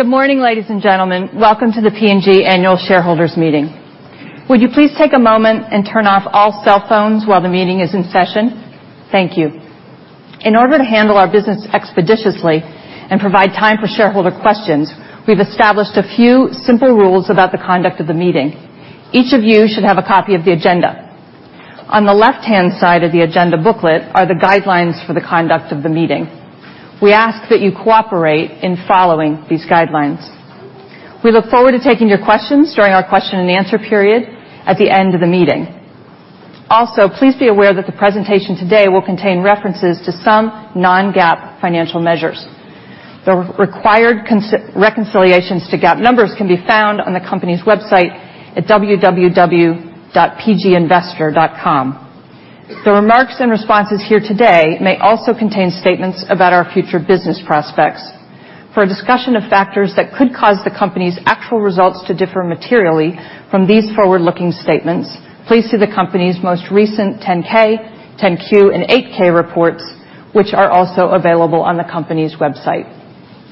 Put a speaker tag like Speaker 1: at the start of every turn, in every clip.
Speaker 1: Good morning, ladies and gentlemen. Welcome to the P&G Annual Shareholders Meeting. Would you please take a moment and turn off all cell phones while the meeting is in session? Thank you. In order to handle our business expeditiously and provide time for shareholder questions, we've established a few simple rules about the conduct of the meeting. Each of you should have a copy of the agenda. On the left-hand side of the agenda booklet are the guidelines for the conduct of the meeting. We ask that you cooperate in following these guidelines. We look forward to taking your questions during our question and answer period at the end of the meeting. Also, please be aware that the presentation today will contain references to some non-GAAP financial measures. The required reconciliations to GAAP numbers can be found on the company's website at www.pginvestor.com. The remarks and responses here today may also contain statements about our future business prospects. For a discussion of factors that could cause the company's actual results to differ materially from these forward-looking statements, please see the company's most recent 10-K, 10-Q, and 8-K reports, which are also available on the company's website.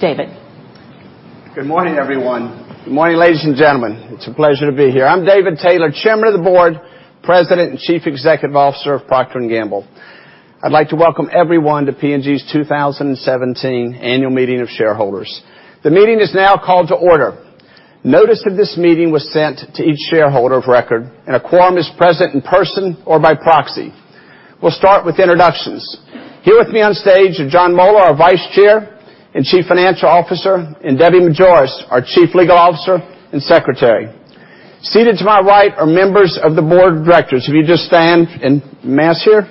Speaker 1: David.
Speaker 2: Good morning, everyone. Good morning, ladies and gentlemen. It's a pleasure to be here. I'm David Taylor, Chairman of the Board, President, and Chief Executive Officer of Procter & Gamble. I'd like to welcome everyone to P&G's 2017 Annual Meeting of Shareholders. The meeting is now called to order. Notice of this meeting was sent to each shareholder of record, and a quorum is present in person or by proxy. We'll start with introductions. Here with me on stage are Jon Moeller, our Vice Chair and Chief Financial Officer, and Debbie Majoras, our Chief Legal Officer and Secretary. Seated to my right are members of the board of directors. If you just stand en masse here.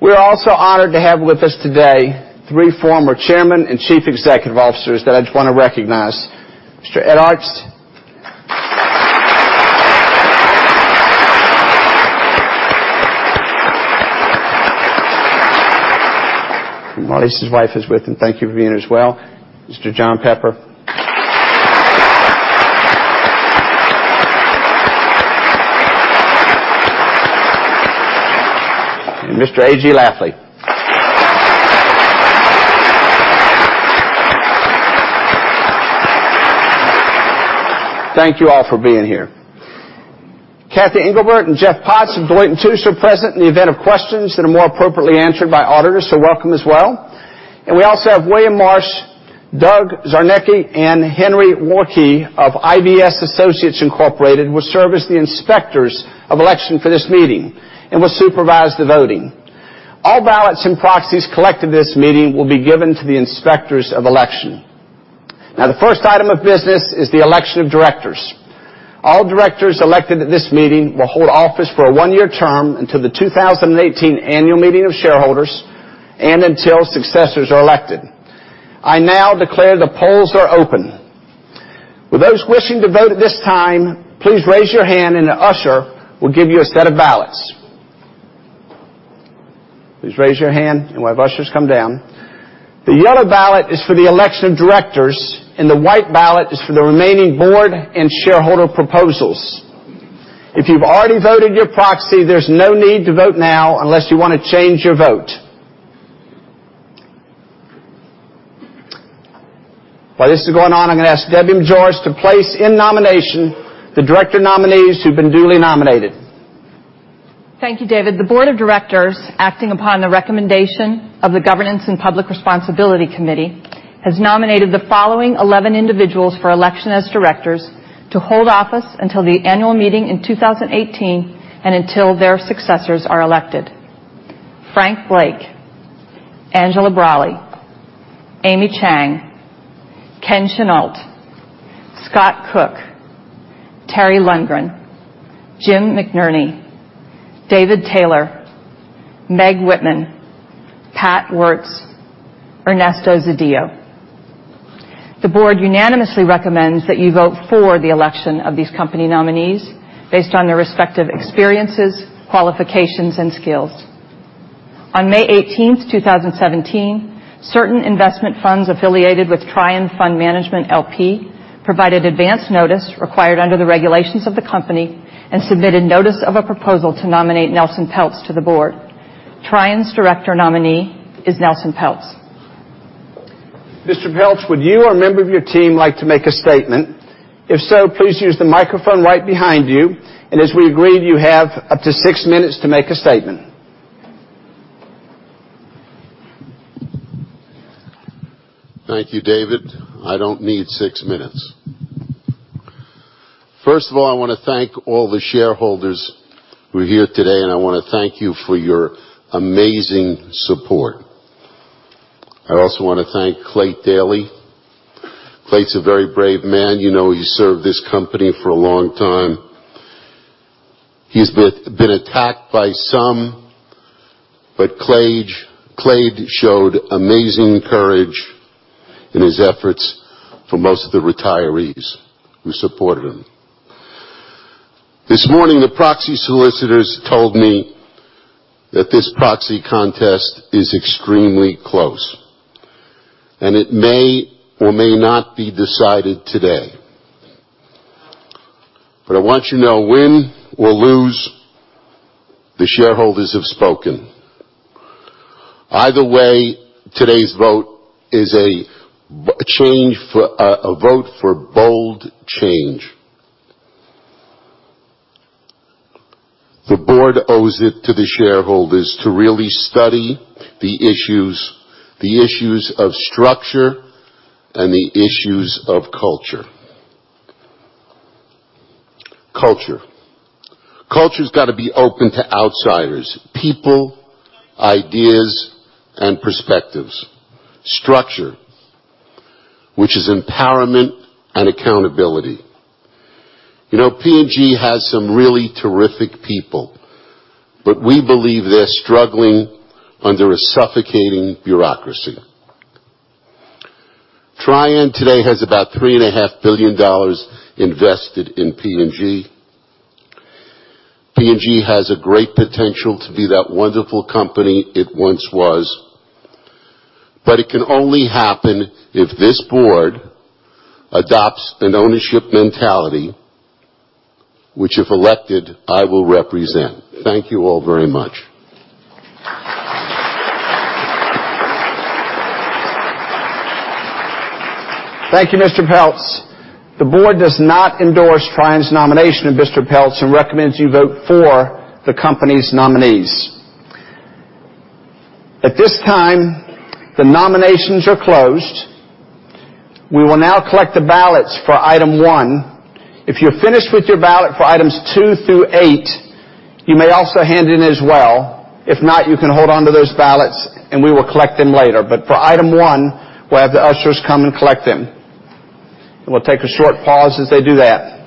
Speaker 2: We're also honored to have with us today three former chairmen and chief executive officers that I just want to recognize. Mr. Ed Artzt. Notice his wife is with him. Thank you for being here as well. Mr. John Pepper. Mr. A.G. Lafley. Thank you all for being here. Cathy Engelbert and Jeff Potts of Deloitte & Touche are present in the event of questions that are more appropriately answered by auditors, so welcome as well. We also have William Marsh, Doug Czarnecki, and Henry Warnken of IVS Associates, Incorporated, will serve as the inspectors of election for this meeting and will supervise the voting. All ballots and proxies collected in this meeting will be given to the inspectors of election. Now, the first item of business is the election of directors. All directors elected at this meeting will hold office for a one-year term until the 2018 Annual Meeting of Shareholders and until successors are elected. I now declare the polls are open. Will those wishing to vote at this time, please raise your hand, and an usher will give you a set of ballots. Please raise your hand, and we'll have ushers come down. The yellow ballot is for the election of directors, and the white ballot is for the remaining board and shareholder proposals. If you've already voted your proxy, there's no need to vote now unless you want to change your vote. While this is going on, I'm going to ask Deborah Majoras to place in nomination the director nominees who've been duly nominated.
Speaker 1: Thank you, David. The board of directors, acting upon the recommendation of the Governance and Public Responsibility Committee, has nominated the following 11 individuals for election as directors to hold office until the annual meeting in 2018 and until their successors are elected: Frank Blake, Angela Braly, Amy Chang, Ken Chenault, Scott Cook, Terry Lundgren, Jim McNerney, David Taylor, Meg Whitman, Pat Woertz, Ernesto Zedillo. The board unanimously recommends that you vote for the election of these company nominees based on their respective experiences, qualifications, and skills. On May 18th, 2017, certain investment funds affiliated with Trian Fund Management, L.P. provided advance notice required under the regulations of the company and submitted notice of a proposal to nominate Nelson Peltz to the board. Trian's director nominee is Nelson Peltz.
Speaker 2: Mr. Peltz, would you or a member of your team like to make a statement? If so, please use the microphone right behind you, and as we agreed, you have up to six minutes to make a statement.
Speaker 3: Thank you, David. I don't need six minutes. First of all, I want to thank all the shareholders who are here today. I want to thank you for your amazing support. I also want to thank Clay Daley. Clay's a very brave man. You know, he served this company for a long time. He's been attacked by some, but Clay showed amazing courage in his efforts for most of the retirees who supported him. This morning, the proxy solicitors told me that this proxy contest is extremely close, and it may or may not be decided today. I want you to know, win or lose, the shareholders have spoken. Either way, today's vote is a vote for bold change. The board owes it to the shareholders to really study the issues, the issues of structure and the issues of culture. Culture. Culture's got to be open to outsiders, people, ideas, and perspectives. Structure, which is empowerment and accountability. P&G has some really terrific people, but we believe they're struggling under a suffocating bureaucracy. Trian today has about $3.5 billion invested in P&G. P&G has a great potential to be that wonderful company it once was, but it can only happen if this board adopts an ownership mentality, which, if elected, I will represent. Thank you all very much.
Speaker 2: Thank you, Mr. Peltz. The board does not endorse Trian's nomination of Mr. Peltz and recommends you vote for the company's nominees. At this time, the nominations are closed. We will now collect the ballots for item one. If you're finished with your ballot for items two through eight, you may also hand in as well. If not, you can hold onto those ballots, and we will collect them later. For item one, we'll have the ushers come and collect them. We'll take a short pause as they do that.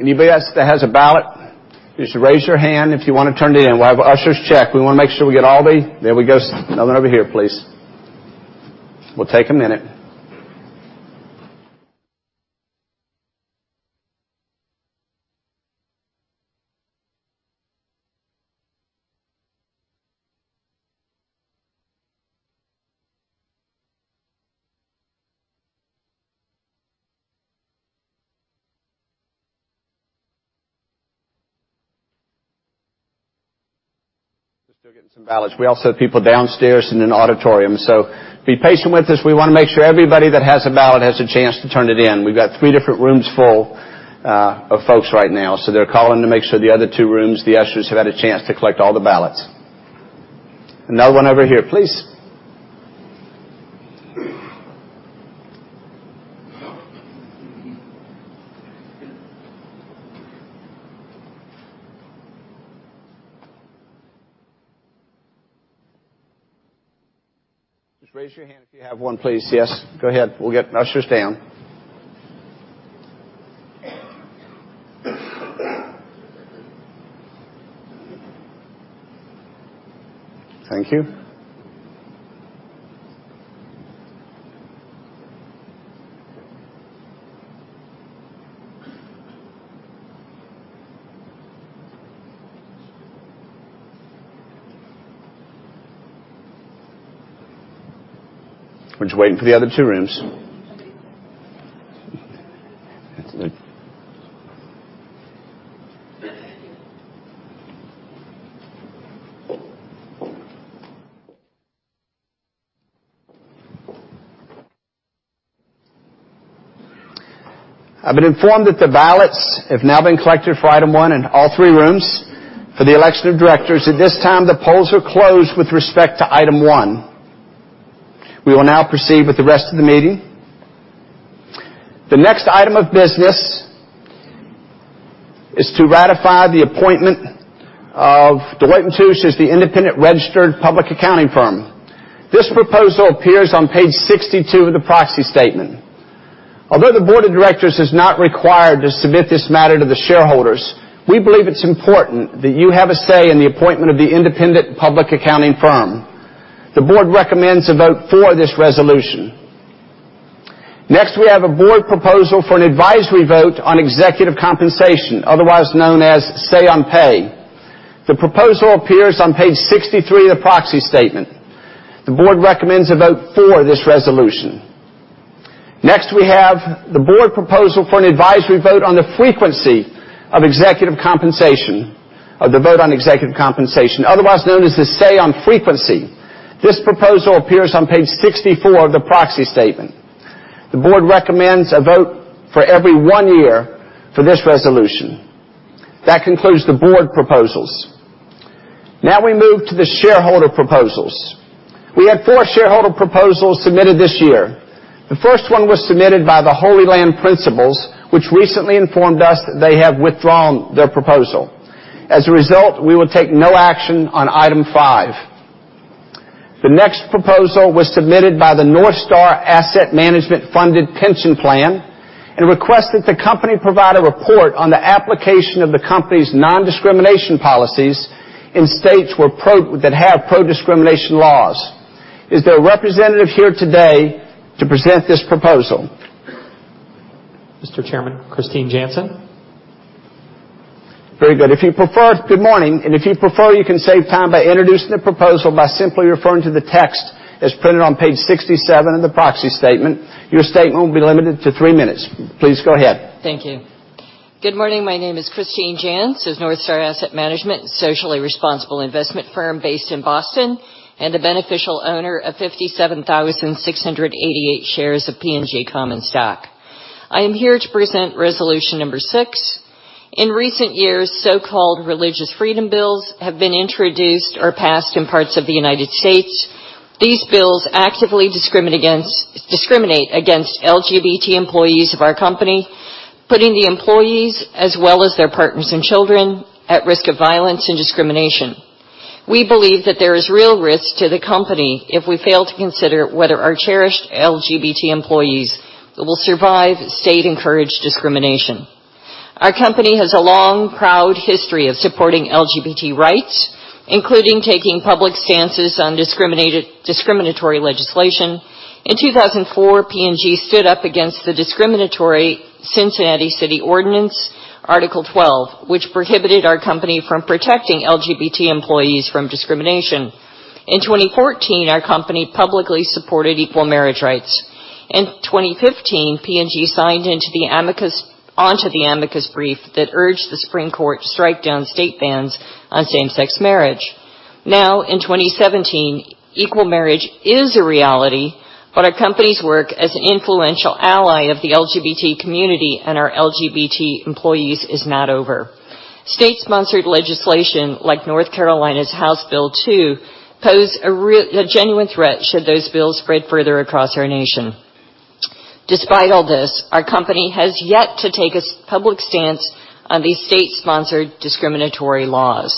Speaker 2: Anybody else that has a ballot, just raise your hand if you want to turn it in. We'll have ushers check. We want to make sure we get all the. There we go. Another one over here, please. We'll take a minute. We're still getting some ballots. We also have people downstairs in an auditorium. Be patient with us. We want to make sure everybody that has a ballot has a chance to turn it in. We've got three different rooms full of folks right now. They're calling to make sure the other two rooms, the ushers have had a chance to collect all the ballots. Another one over here, please. Just raise your hand if you have one, please. Yes, go ahead. We'll get ushers down. Thank you. We're just waiting for the other two rooms. I've been informed that the ballots have now been collected for item one in all three rooms for the election of directors. At this time, the polls are closed with respect to item one. We will now proceed with the rest of the meeting. The next item of business is to ratify the appointment of Deloitte & Touche as the independent registered public accounting firm. This proposal appears on page 62 of the proxy statement. Although the board of directors is not required to submit this matter to the shareholders, we believe it's important that you have a say in the appointment of the independent public accounting firm. The board recommends a vote for this resolution. Next, we have a board proposal for an advisory vote on executive compensation, otherwise known as say on pay. The proposal appears on page 63 of the proxy statement. The board recommends a vote for this resolution. Next, we have the board proposal for an advisory vote on the frequency of the vote on executive compensation, otherwise known as the say on frequency. This proposal appears on page 64 of the proxy statement. The board recommends a vote for every one year for this resolution. That concludes the board proposals. Now we move to the shareholder proposals. We had four shareholder proposals submitted this year. The first one was submitted by the Holy Land Principles, which recently informed us that they have withdrawn their proposal. As a result, we will take no action on item five. The next proposal was submitted by the NorthStar Asset Management Funded Pension Plan, and requests that the company provide a report on the application of the company's non-discrimination policies in states that have pro-discrimination laws. Is their representative here today to present this proposal?
Speaker 4: Mr. Chairman, Christine Janzsen.
Speaker 2: Very good. Good morning. If you prefer, you can save time by introducing the proposal by simply referring to the text as printed on page 67 in the proxy statement. Your statement will be limited to three minutes. Please go ahead.
Speaker 5: Thank you. Good morning. My name is Christine Janzsen, NorthStar Asset Management, a socially responsible investment firm based in Boston, and the beneficial owner of 57,688 shares of P&G common stock. I am here to present resolution number six. In recent years, so-called religious freedom bills have been introduced or passed in parts of the United States. These bills actively discriminate against LGBT employees of our company, putting the employees, as well as their partners and children, at risk of violence and discrimination. We believe that there is real risk to the company if we fail to consider whether our cherished LGBT employees will survive state-encouraged discrimination. Our company has a long, proud history of supporting LGBT rights, including taking public stances on discriminatory legislation. In 2004, P&G stood up against the discriminatory Cincinnati city ordinance Article 12, which prohibited our company from protecting LGBT employees from discrimination. In 2014, our company publicly supported equal marriage rights. In 2015, P&G signed onto the amicus brief that urged the Supreme Court to strike down state bans on same-sex marriage. Now, in 2017, equal marriage is a reality, but our company's work as an influential ally of the LGBT community and our LGBT employees is not over. State-sponsored legislation, like North Carolina's House Bill 2, pose a genuine threat should those bills spread further across our nation. Despite all this, our company has yet to take a public stance on these state-sponsored discriminatory laws.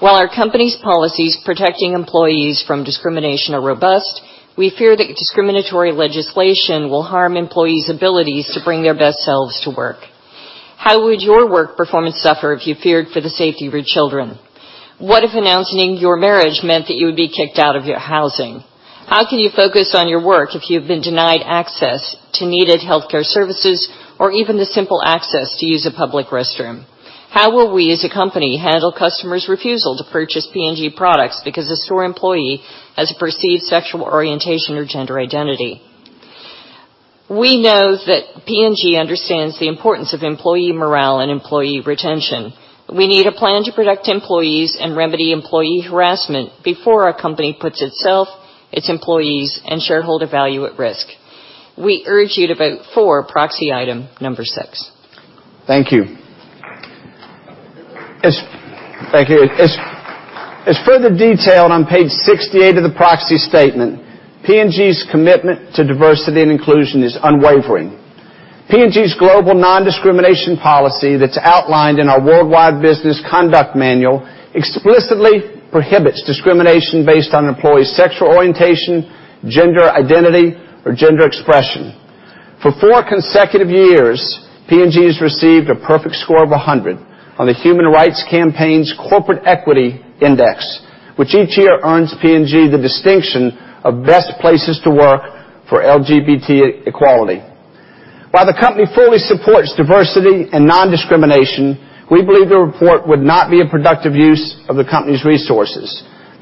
Speaker 5: While our company's policies protecting employees from discrimination are robust, we fear that discriminatory legislation will harm employees' abilities to bring their best selves to work. How would your work performance suffer if you feared for the safety of your children? What if announcing your marriage meant that you would be kicked out of your housing? How can you focus on your work if you've been denied access to needed healthcare services or even the simple access to use a public restroom? How will we, as a company, handle customers' refusal to purchase P&G products because a store employee has a perceived sexual orientation or gender identity? We know that P&G understands the importance of employee morale and employee retention. We need a plan to protect employees and remedy employee harassment before our company puts itself, its employees, and shareholder value at risk. We urge you to vote for proxy item number 6.
Speaker 2: Thank you. Thank you. As further detailed on page 68 of the proxy statement, P&G's commitment to diversity and inclusion is unwavering. P&G's global non-discrimination policy that's outlined in our worldwide business conduct manual explicitly prohibits discrimination based on employee sexual orientation, gender identity, or gender expression. For four consecutive years, P&G has received a perfect score of 100 on the Human Rights Campaign's Corporate Equality Index, which each year earns P&G the distinction of best places to work for LGBT equality. While the company fully supports diversity and non-discrimination, we believe the report would not be a productive use of the company's resources.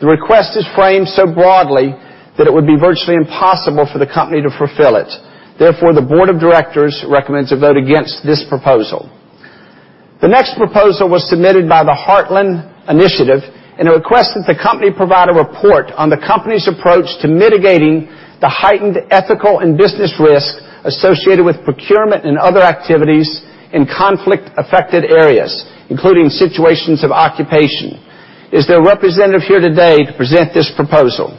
Speaker 2: The request is framed so broadly that it would be virtually impossible for the company to fulfill it. The board of directors recommends a vote against this proposal. The next proposal was submitted by the Heartland Initiative. It requests that the company provide a report on the company's approach to mitigating the heightened ethical and business risk associated with procurement and other activities in conflict-affected areas, including situations of occupation. Is their representative here today to present this proposal?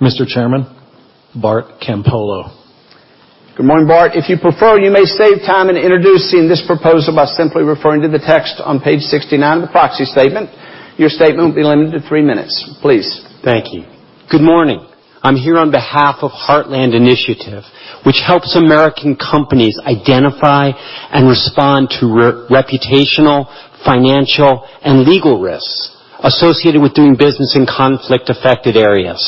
Speaker 4: Mr. Chairman, Bart Campolo.
Speaker 2: Good morning, Bart. If you prefer, you may save time in introducing this proposal by simply referring to the text on page 69 of the proxy statement. Your statement will be limited to three minutes. Please.
Speaker 6: Thank you. Good morning. I am here on behalf of Heartland Initiative, which helps American companies identify and respond to reputational, financial, and legal risks associated with doing business in conflict-affected areas.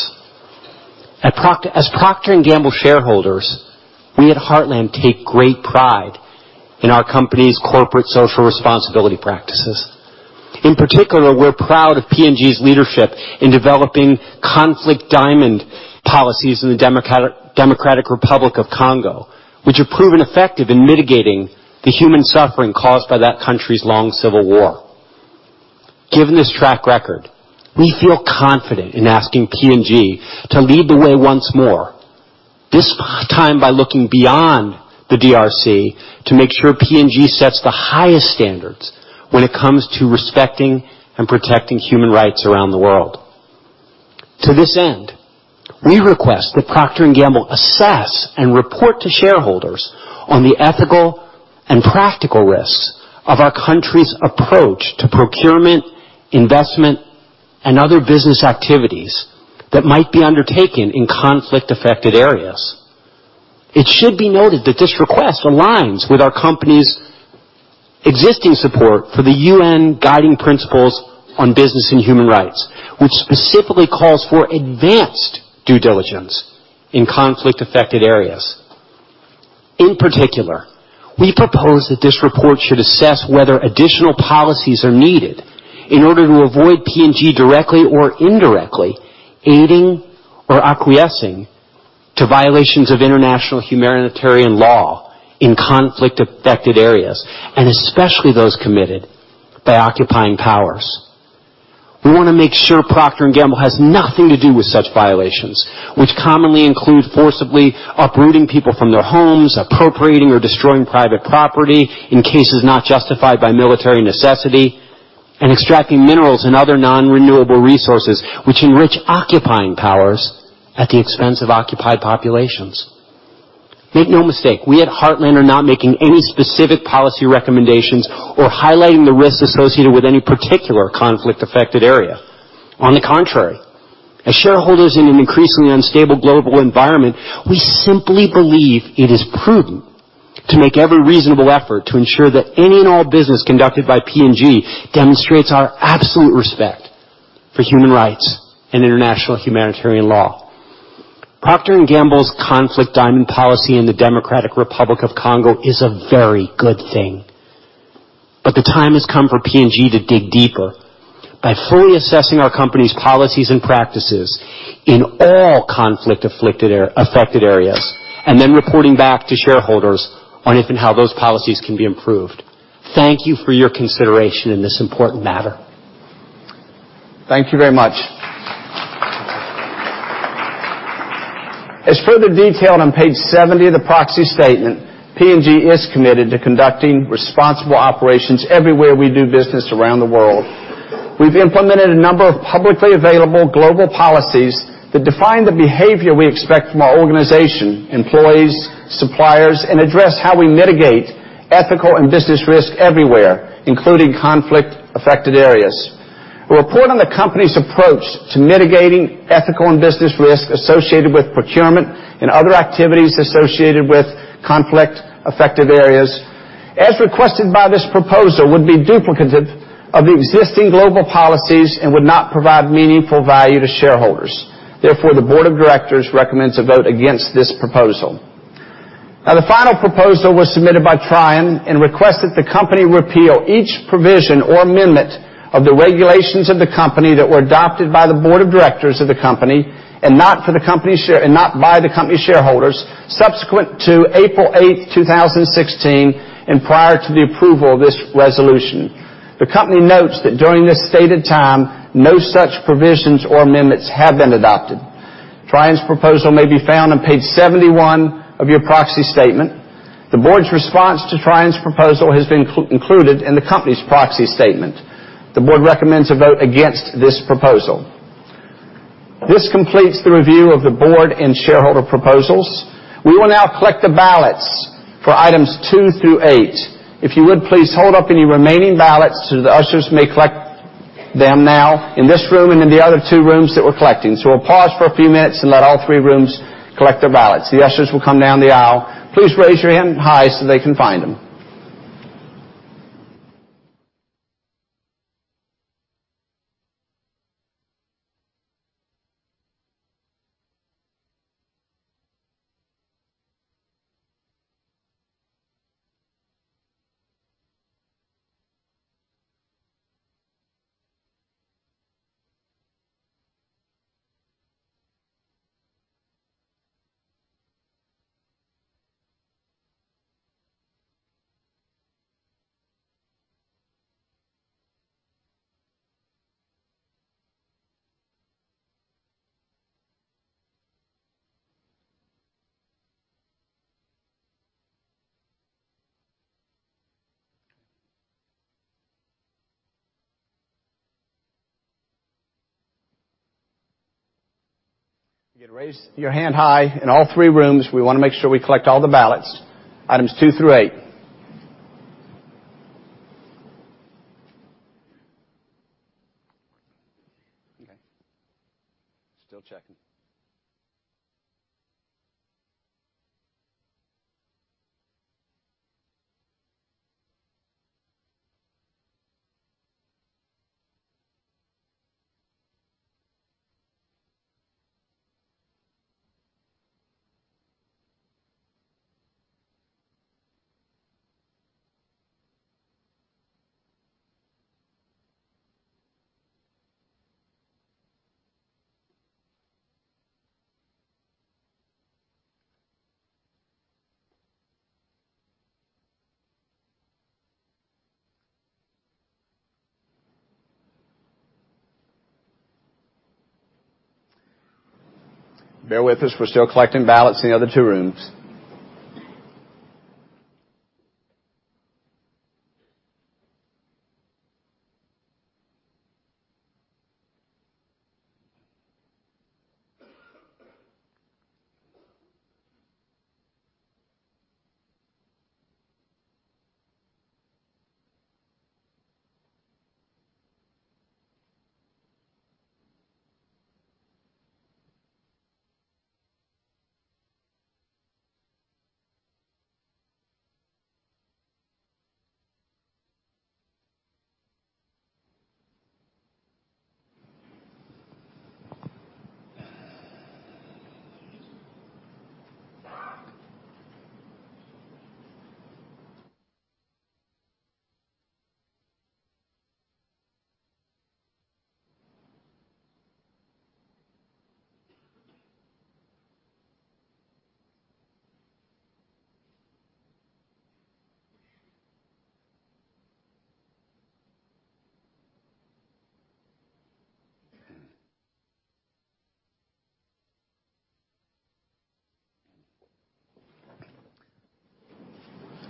Speaker 6: As Procter & Gamble shareholders, we at Heartland take great pride in our company's corporate social responsibility practices. In particular, we are proud of P&G's leadership in developing conflict diamond policies in the Democratic Republic of Congo, which have proven effective in mitigating the human suffering caused by that country's long civil war. Given this track record, we feel confident in asking P&G to lead the way once more, this time by looking beyond the DRC to make sure P&G sets the highest standards when it comes to respecting and protecting human rights around the world.
Speaker 4: To this end, we request that Procter & Gamble assess and report to shareholders on the ethical and practical risks of our country's approach to procurement, investment, and other business activities that might be undertaken in conflict-affected areas. It should be noted that this request aligns with our company's existing support for the UN Guiding Principles on Business and Human Rights, which specifically calls for advanced due diligence in conflict-affected areas. In particular, we propose that this report should assess whether additional policies are needed in order to avoid P&G directly or indirectly aiding or acquiescing to violations of international humanitarian law in conflict-affected areas, and especially those committed by occupying powers. We want to make sure Procter & Gamble has nothing to do with such violations, which commonly include forcibly uprooting people from their homes, appropriating or destroying private property in cases not justified by military necessity, and extracting minerals and other non-renewable resources, which enrich occupying powers at the expense of occupied populations. Make no mistake, we at Heartland are not making any specific policy recommendations or highlighting the risks associated with any particular conflict-affected area. On the contrary, as shareholders in an increasingly unstable global environment, we simply believe it is prudent to make every reasonable effort to ensure that any and all business conducted by P&G demonstrates our absolute respect for human rights and international humanitarian law. Procter & Gamble's conflict diamond policy in the Democratic Republic of Congo is a very good thing, but the time has come for P&G to dig deeper by fully assessing our company's policies and practices in all conflict-affected areas, and then reporting back to shareholders on if and how those policies can be improved. Thank you for your consideration in this important matter.
Speaker 2: Thank you very much. As further detailed on page 70 of the proxy statement, P&G is committed to conducting responsible operations everywhere we do business around the world. We've implemented a number of publicly available global policies that define the behavior we expect from our organization, employees, suppliers, and address how we mitigate ethical and business risk everywhere, including conflict-affected areas. A report on the company's approach to mitigating ethical and business risk associated with procurement and other activities associated with conflict-affected areas, as requested by this proposal, would be duplicative of existing global policies and would not provide meaningful value to shareholders. Therefore, the board of directors recommends a vote against this proposal. Now, the final proposal was submitted by Trian and requests that the company repeal each provision or amendment of the regulations of the company that were adopted by the board of directors of the company and not by the company shareholders subsequent to April 8th, 2016, and prior to the approval of this resolution. The company notes that during this stated time, no such provisions or amendments have been adopted. Trian's proposal may be found on page 71 of your proxy statement. The board's response to Trian's proposal has been included in the company's proxy statement. The board recommends a vote against this proposal. This completes the review of the board and shareholder proposals. We will now collect the ballots for items two through eight. If you would please hold up any remaining ballots so that the ushers may collect them now in this room and in the other two rooms that we're collecting. We'll pause for a few minutes and let all three rooms collect their ballots. The ushers will come down the aisle. Please raise your hand high so they can find them. Again, raise your hand high in all three rooms. We want to make sure we collect all the ballots, items two through eight. Okay. Still checking. Bear with us. We're still collecting ballots in the other two rooms.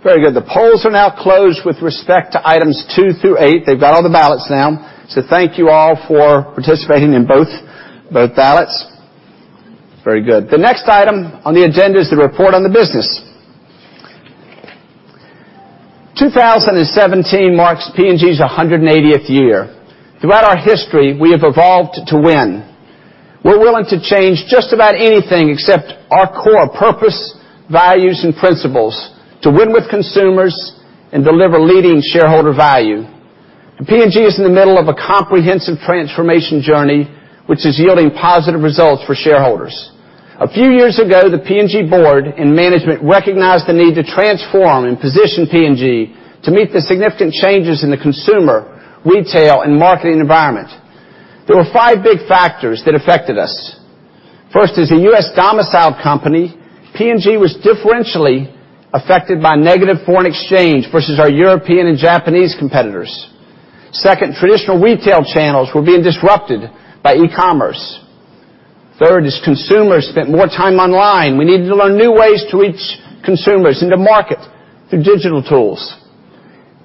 Speaker 2: Very good. The polls are now closed with respect to items two through eight. They've got all the ballots now. Thank you all for participating in both ballots. Very good. The next item on the agenda is the report on the business. 2017 marks P&G's 180th year. Throughout our history, we have evolved to win. We're willing to change just about anything except our core purpose, values, and principles: to win with consumers and deliver leading shareholder value. P&G is in the middle of a comprehensive transformation journey, which is yielding positive results for shareholders. A few years ago, the P&G board and management recognized the need to transform and position P&G to meet the significant changes in the consumer, retail, and marketing environment. There were five big factors that affected us. First, as a U.S.-domiciled company, P&G was differentially affected by negative foreign exchange versus our European and Japanese competitors. Second, traditional retail channels were being disrupted by e-commerce. Third, as consumers spent more time online, we needed to learn new ways to reach consumers in the market through digital tools.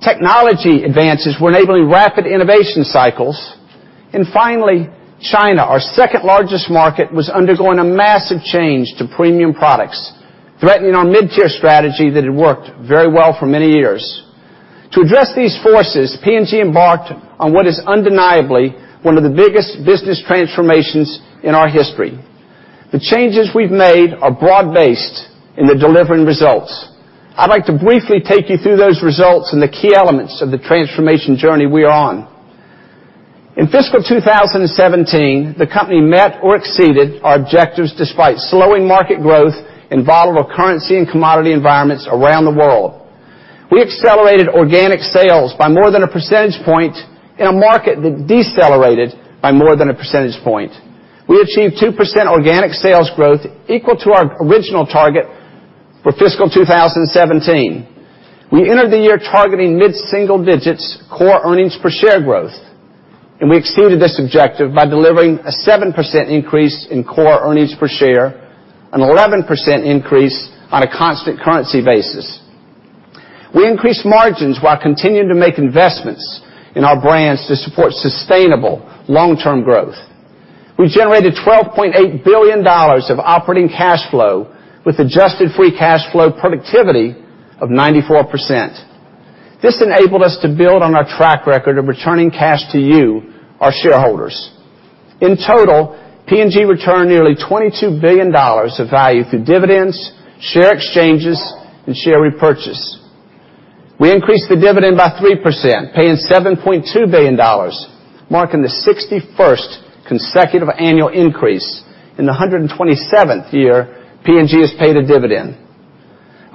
Speaker 2: Technology advances were enabling rapid innovation cycles. Finally, China, our second-largest market, was undergoing a massive change to premium products, threatening our mid-tier strategy that had worked very well for many years. To address these forces, P&G embarked on what is undeniably one of the biggest business transformations in our history. The changes we've made are broad-based and they're delivering results. I'd like to briefly take you through those results and the key elements of the transformation journey we are on. In fiscal 2017, the company met or exceeded our objectives despite slowing market growth and volatile currency and commodity environments around the world. We accelerated organic sales by more than a percentage point in a market that decelerated by more than a percentage point. We achieved 2% organic sales growth equal to our original target for fiscal 2017. We entered the year targeting mid-single digits core earnings per share growth. We exceeded this objective by delivering a 7% increase in core earnings per share, an 11% increase on a constant currency basis. We increased margins while continuing to make investments in our brands to support sustainable long-term growth. We generated $12.8 billion of operating cash flow with adjusted free cash flow productivity of 94%. This enabled us to build on our track record of returning cash to you, our shareholders. In total, P&G returned nearly $22 billion of value through dividends, share exchanges, and share repurchase. We increased the dividend by 3%, paying $7.2 billion, marking the 61st consecutive annual increase in the 127th year P&G has paid a dividend.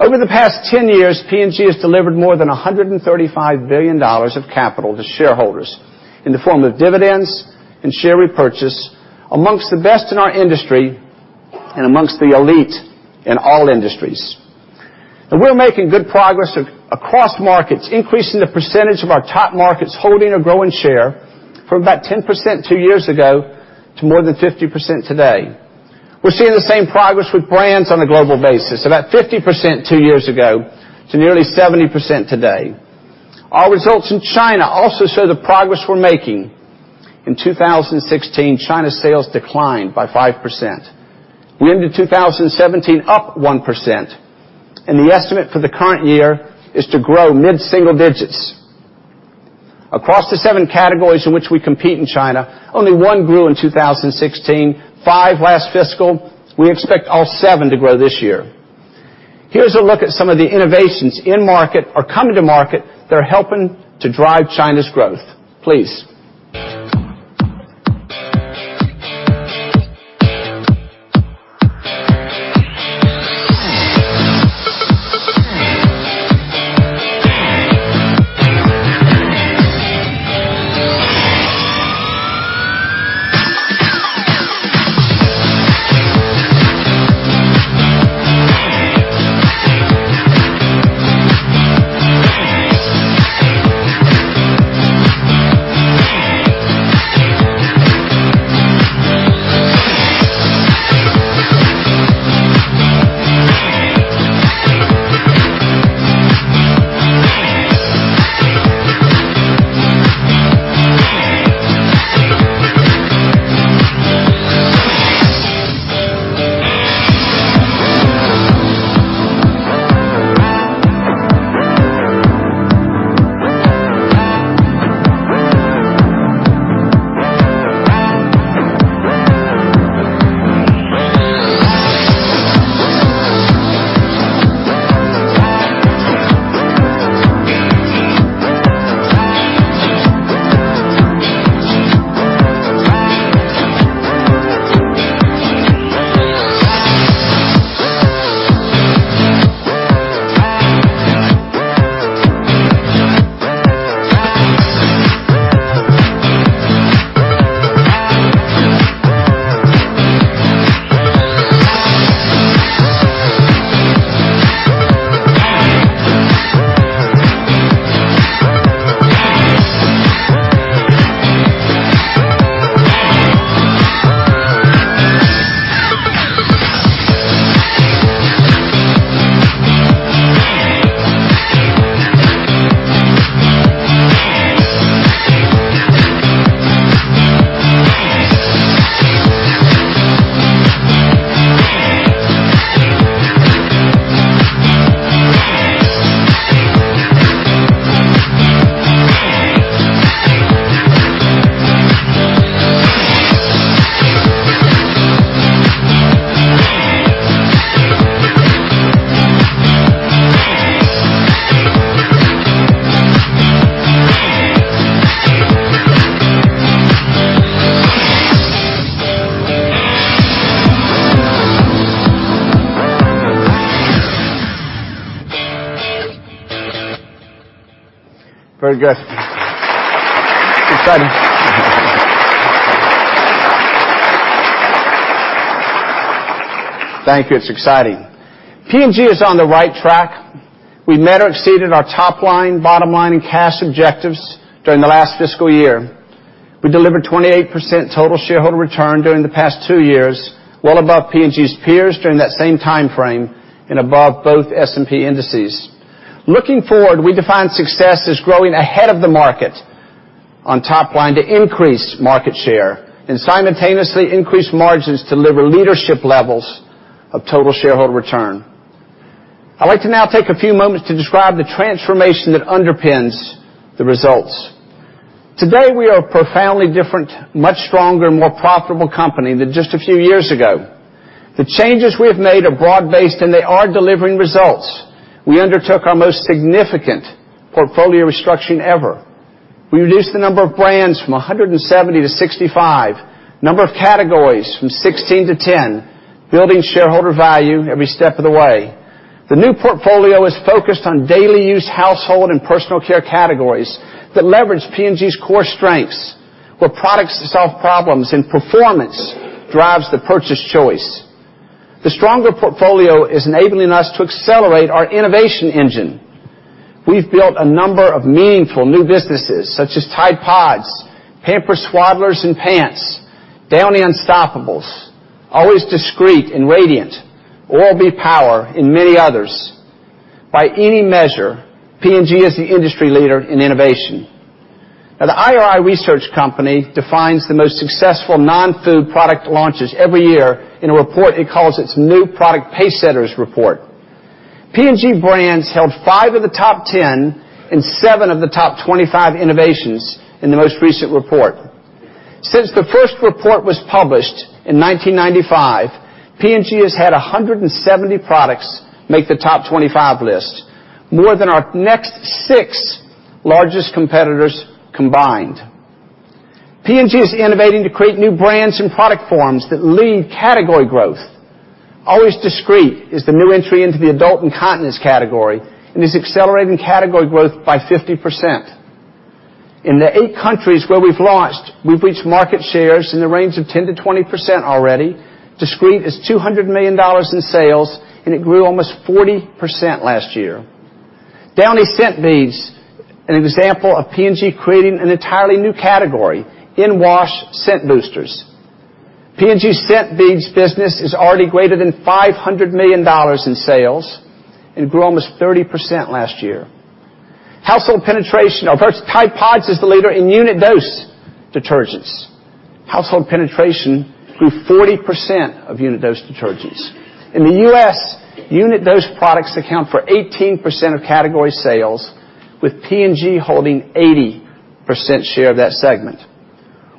Speaker 2: Over the past 10 years, P&G has delivered more than $135 billion of capital to shareholders in the form of dividends and share repurchase, amongst the best in our industry and amongst the elite in all industries. We're making good progress across markets, increasing the percentage of our top markets holding or growing share from about 10% two years ago to more than 50% today. We're seeing the same progress with brands on a global basis, about 50% two years ago to nearly 70% today. Our results in China also show the progress we're making. In 2016, China's sales declined by 5%. We ended 2017 up 1%, and the estimate for the current year is to grow mid-single digits. Across the 7 categories in which we compete in China, only 1 grew in 2016, 5 last fiscal. We expect all 7 to grow this year. Here's a look at some of the innovations in market or coming to market that are helping to drive China's growth. Please. Very good. Exciting. Thank you. It's exciting. P&G is on the right track. We met or exceeded our top line, bottom line, and cash objectives during the last fiscal year. We delivered 28% total shareholder return during the past two years, well above P&G's peers during that same timeframe, and above both S&P indices. Looking forward, we define success as growing ahead of the market on top line to increase market share, and simultaneously increase margins to deliver leadership levels of total shareholder return. I'd like to now take a few moments to describe the transformation that underpins the results. Today, we are a profoundly different, much stronger, and more profitable company than just a few years ago. The changes we have made are broad-based, they are delivering results. We undertook our most significant portfolio restructuring ever. We reduced the number of brands from 170 to 65. Number of categories from 16 to 10, building shareholder value every step of the way. The new portfolio is focused on daily use household and personal care categories that leverage P&G's core strengths, where products solve problems, and performance drives the purchase choice. The stronger portfolio is enabling us to accelerate our innovation engine. We've built a number of meaningful new businesses, such as Tide PODS, Pampers Swaddlers and Pants, Downy Unstopables, Always Discreet and Radiant, Oral-B Power, and many others. By any measure, P&G is the industry leader in innovation. Now, the IRI Research company defines the most successful non-food product launches every year in a report it calls its New Product Pacesetters report. P&G brands held five of the top 10, and seven of the top 25 innovations in the most recent report. Since the first report was published in 1995, P&G has had 170 products make the top 25 list, more than our next six largest competitors combined. P&G is innovating to create new brands and product forms that lead category growth. Always Discreet is the new entry into the adult incontinence category, and is accelerating category growth by 50%. In the eight countries where we've launched, we've reached market shares in the range of 10%-20% already. Discreet is $200 million in sales, and it grew almost 40% last year. Downy Scent Beads, an example of P&G creating an entirely new category, in-wash scent boosters. P&G Scent Beads business is already greater than $500 million in sales, and grew almost 30% last year. Tide PODS is the leader in unit dose detergents. Household penetration grew 40% of unit dose detergents. In the U.S., unit dose products account for 18% of category sales, with P&G holding 80% share of that segment.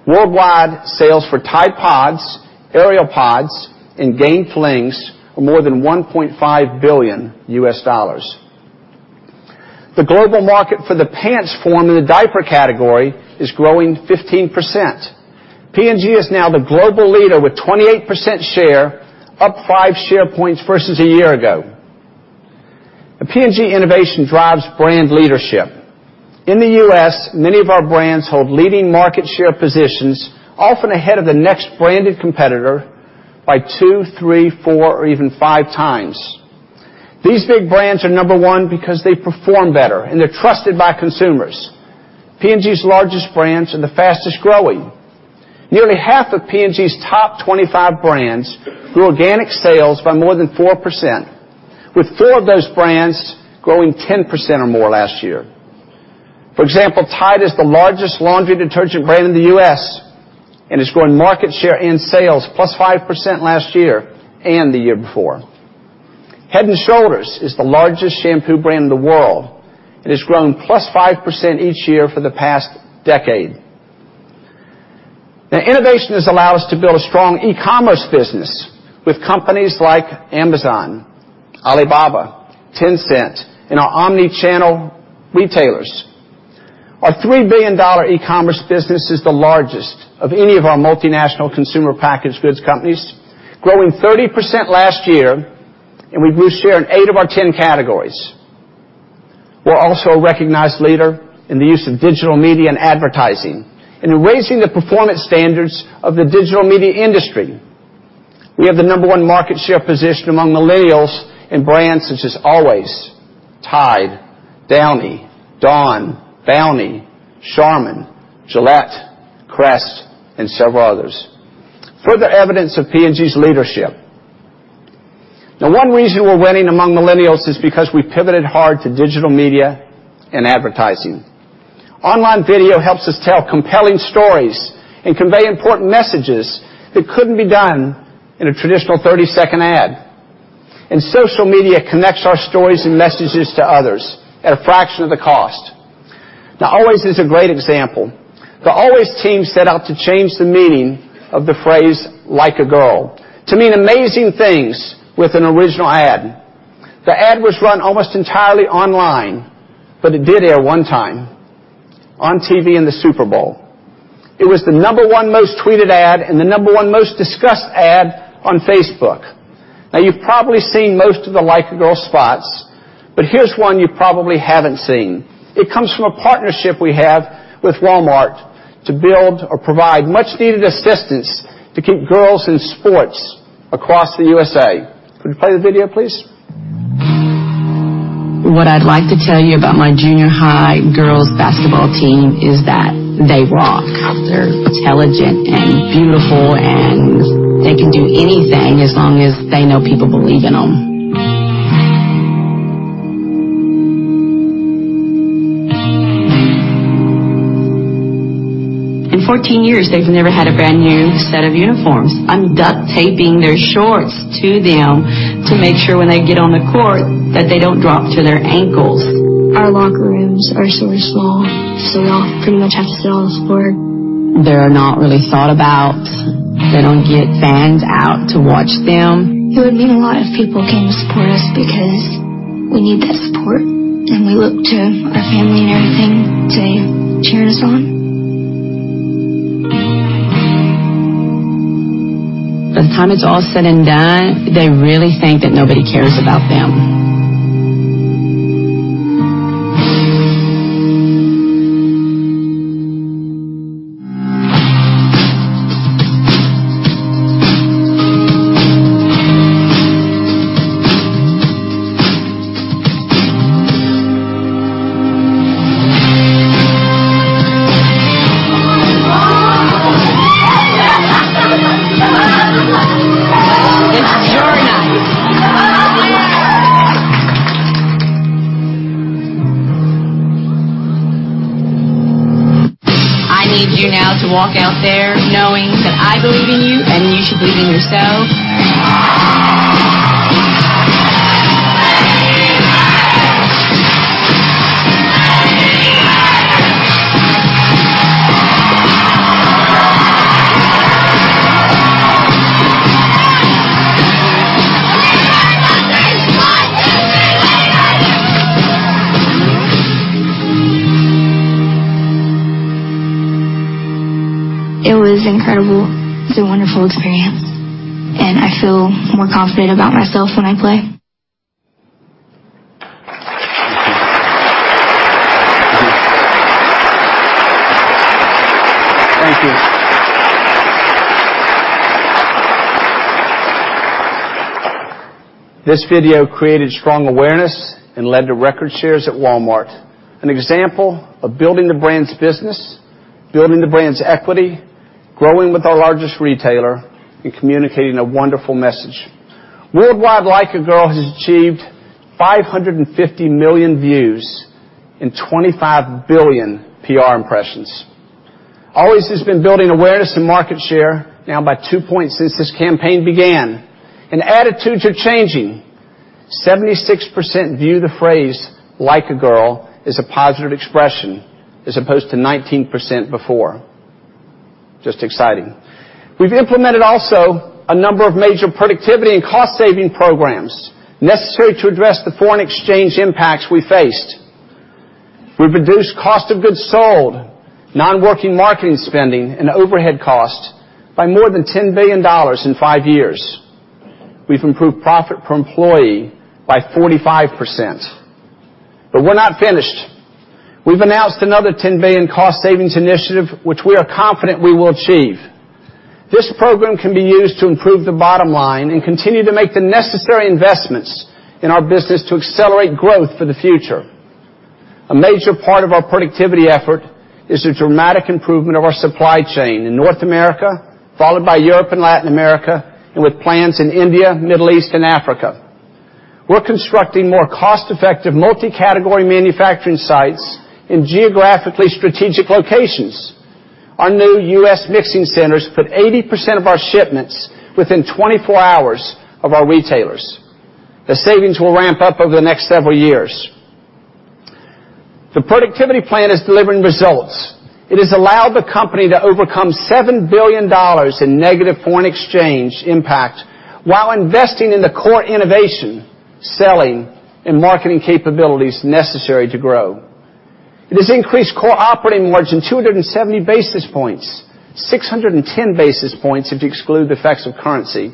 Speaker 2: Worldwide sales for Tide PODS, Ariel PODS, and Gain Flings are more than $1.5 billion. The global market for the pants form in the diaper category is growing 15%. P&G is now the global leader with 28% share, up five share points versus a year ago. P&G innovation drives brand leadership. In the U.S., many of our brands hold leading market share positions, often ahead of the next branded competitor by two, three, four, or even five times. These big brands are number one because they perform better, and they're trusted by consumers. P&G's largest brands are the fastest-growing. Nearly half of P&G's top 25 brands grew organic sales by more than 4%, with four of those brands growing 10% or more last year. For example, Tide is the largest laundry detergent brand in the U.S., and it's grown market share and sales plus 5% last year and the year before. Head & Shoulders is the largest shampoo brand in the world, and it's grown plus 5% each year for the past decade. Innovation has allowed us to build a strong e-commerce business with companies like Amazon, Alibaba, Tencent, and our omni-channel retailers. Our $3 billion e-commerce business is the largest of any of our multinational consumer packaged goods companies, growing 30% last year, and we grew share in eight of our 10 categories. We're also a recognized leader in the use of digital media and advertising, and in raising the performance standards of the digital media industry. We have the number one market share position among millennials in brands such as Always, Tide, Downy, Dawn, Bounty, Charmin, Gillette, Crest, and several others. Further evidence of P&G's leadership. One reason we're winning among millennials is because we pivoted hard to digital media and advertising. Online video helps us tell compelling stories and convey important messages that couldn't be done in a traditional 30-second ad. Social media connects our stories and messages to others at a fraction of the cost. Always is a great example. The Always team set out to change the meaning of the phrase Like a Girl to mean amazing things with an original ad. The ad was run almost entirely online, but it did air one time on TV in the Super Bowl. It was the number one most tweeted ad and the number one most discussed ad on Facebook. You've probably seen most of the Like a Girl spots, but here's one you probably haven't seen. It comes from a partnership we have with Walmart to build or provide much-needed assistance to keep girls in sports across the U.S.A. Could we play the video, please?
Speaker 7: What I'd like to tell you about my junior high girls basketball team is that they rock. They're intelligent and beautiful, and they can do anything as long as they know people believe in them. In 14 years, they've never had a brand-new set of uniforms. I'm duct-taping their shorts to them to make sure when they get on the court, that they don't drop to their ankles. Our locker rooms are super small. We all pretty much have to sit on the floor. They're not really thought about. They don't get fans out to watch them. It would mean a lot if people came to support us because we need that support, and we look to our family and everything to cheer us on. By the time it's all said and done, they really think that nobody cares about them. It's your night. I need you now to walk out there knowing that I believe in you, and you should believe in yourselves. Lady Bears. Lady Bears. On three. One, two, three. Lady Bears. It was incredible. It's a wonderful experience, and I feel more confident about myself when I play.
Speaker 2: Thank you. This video created strong awareness and led to record shares at Walmart, an example of building the brand's business, building the brand's equity, growing with our largest retailer, and communicating a wonderful message. Worldwide, Like a Girl has achieved 550 million views and 25 billion PR impressions. Always has been building awareness and market share now by two points since this campaign began, and attitudes are changing. 76% view the phrase Like a Girl as a positive expression, as opposed to 19% before. Just exciting. We've implemented also a number of major productivity and cost-saving programs necessary to address the foreign exchange impacts we faced. We've reduced cost of goods sold, non-working marketing spending, and overhead costs by more than $10 billion in five years. We've improved profit per employee by 45%. We're not finished. We've announced another $10 billion cost savings initiative, which we are confident we will achieve. This program can be used to improve the bottom line and continue to make the necessary investments in our business to accelerate growth for the future. A major part of our productivity effort is the dramatic improvement of our supply chain in North America, followed by Europe and Latin America, and with plans in India, Middle East, and Africa. We're constructing more cost-effective multi-category manufacturing sites in geographically strategic locations. Our new U.S. mixing centers put 80% of our shipments within 24 hours of our retailers. The savings will ramp up over the next several years. The productivity plan is delivering results. It has allowed the company to overcome $7 billion in negative foreign exchange impact while investing in the core innovation, selling, and marketing capabilities necessary to grow. It has increased core operating margin 270 basis points, 610 basis points if you exclude the effects of currency.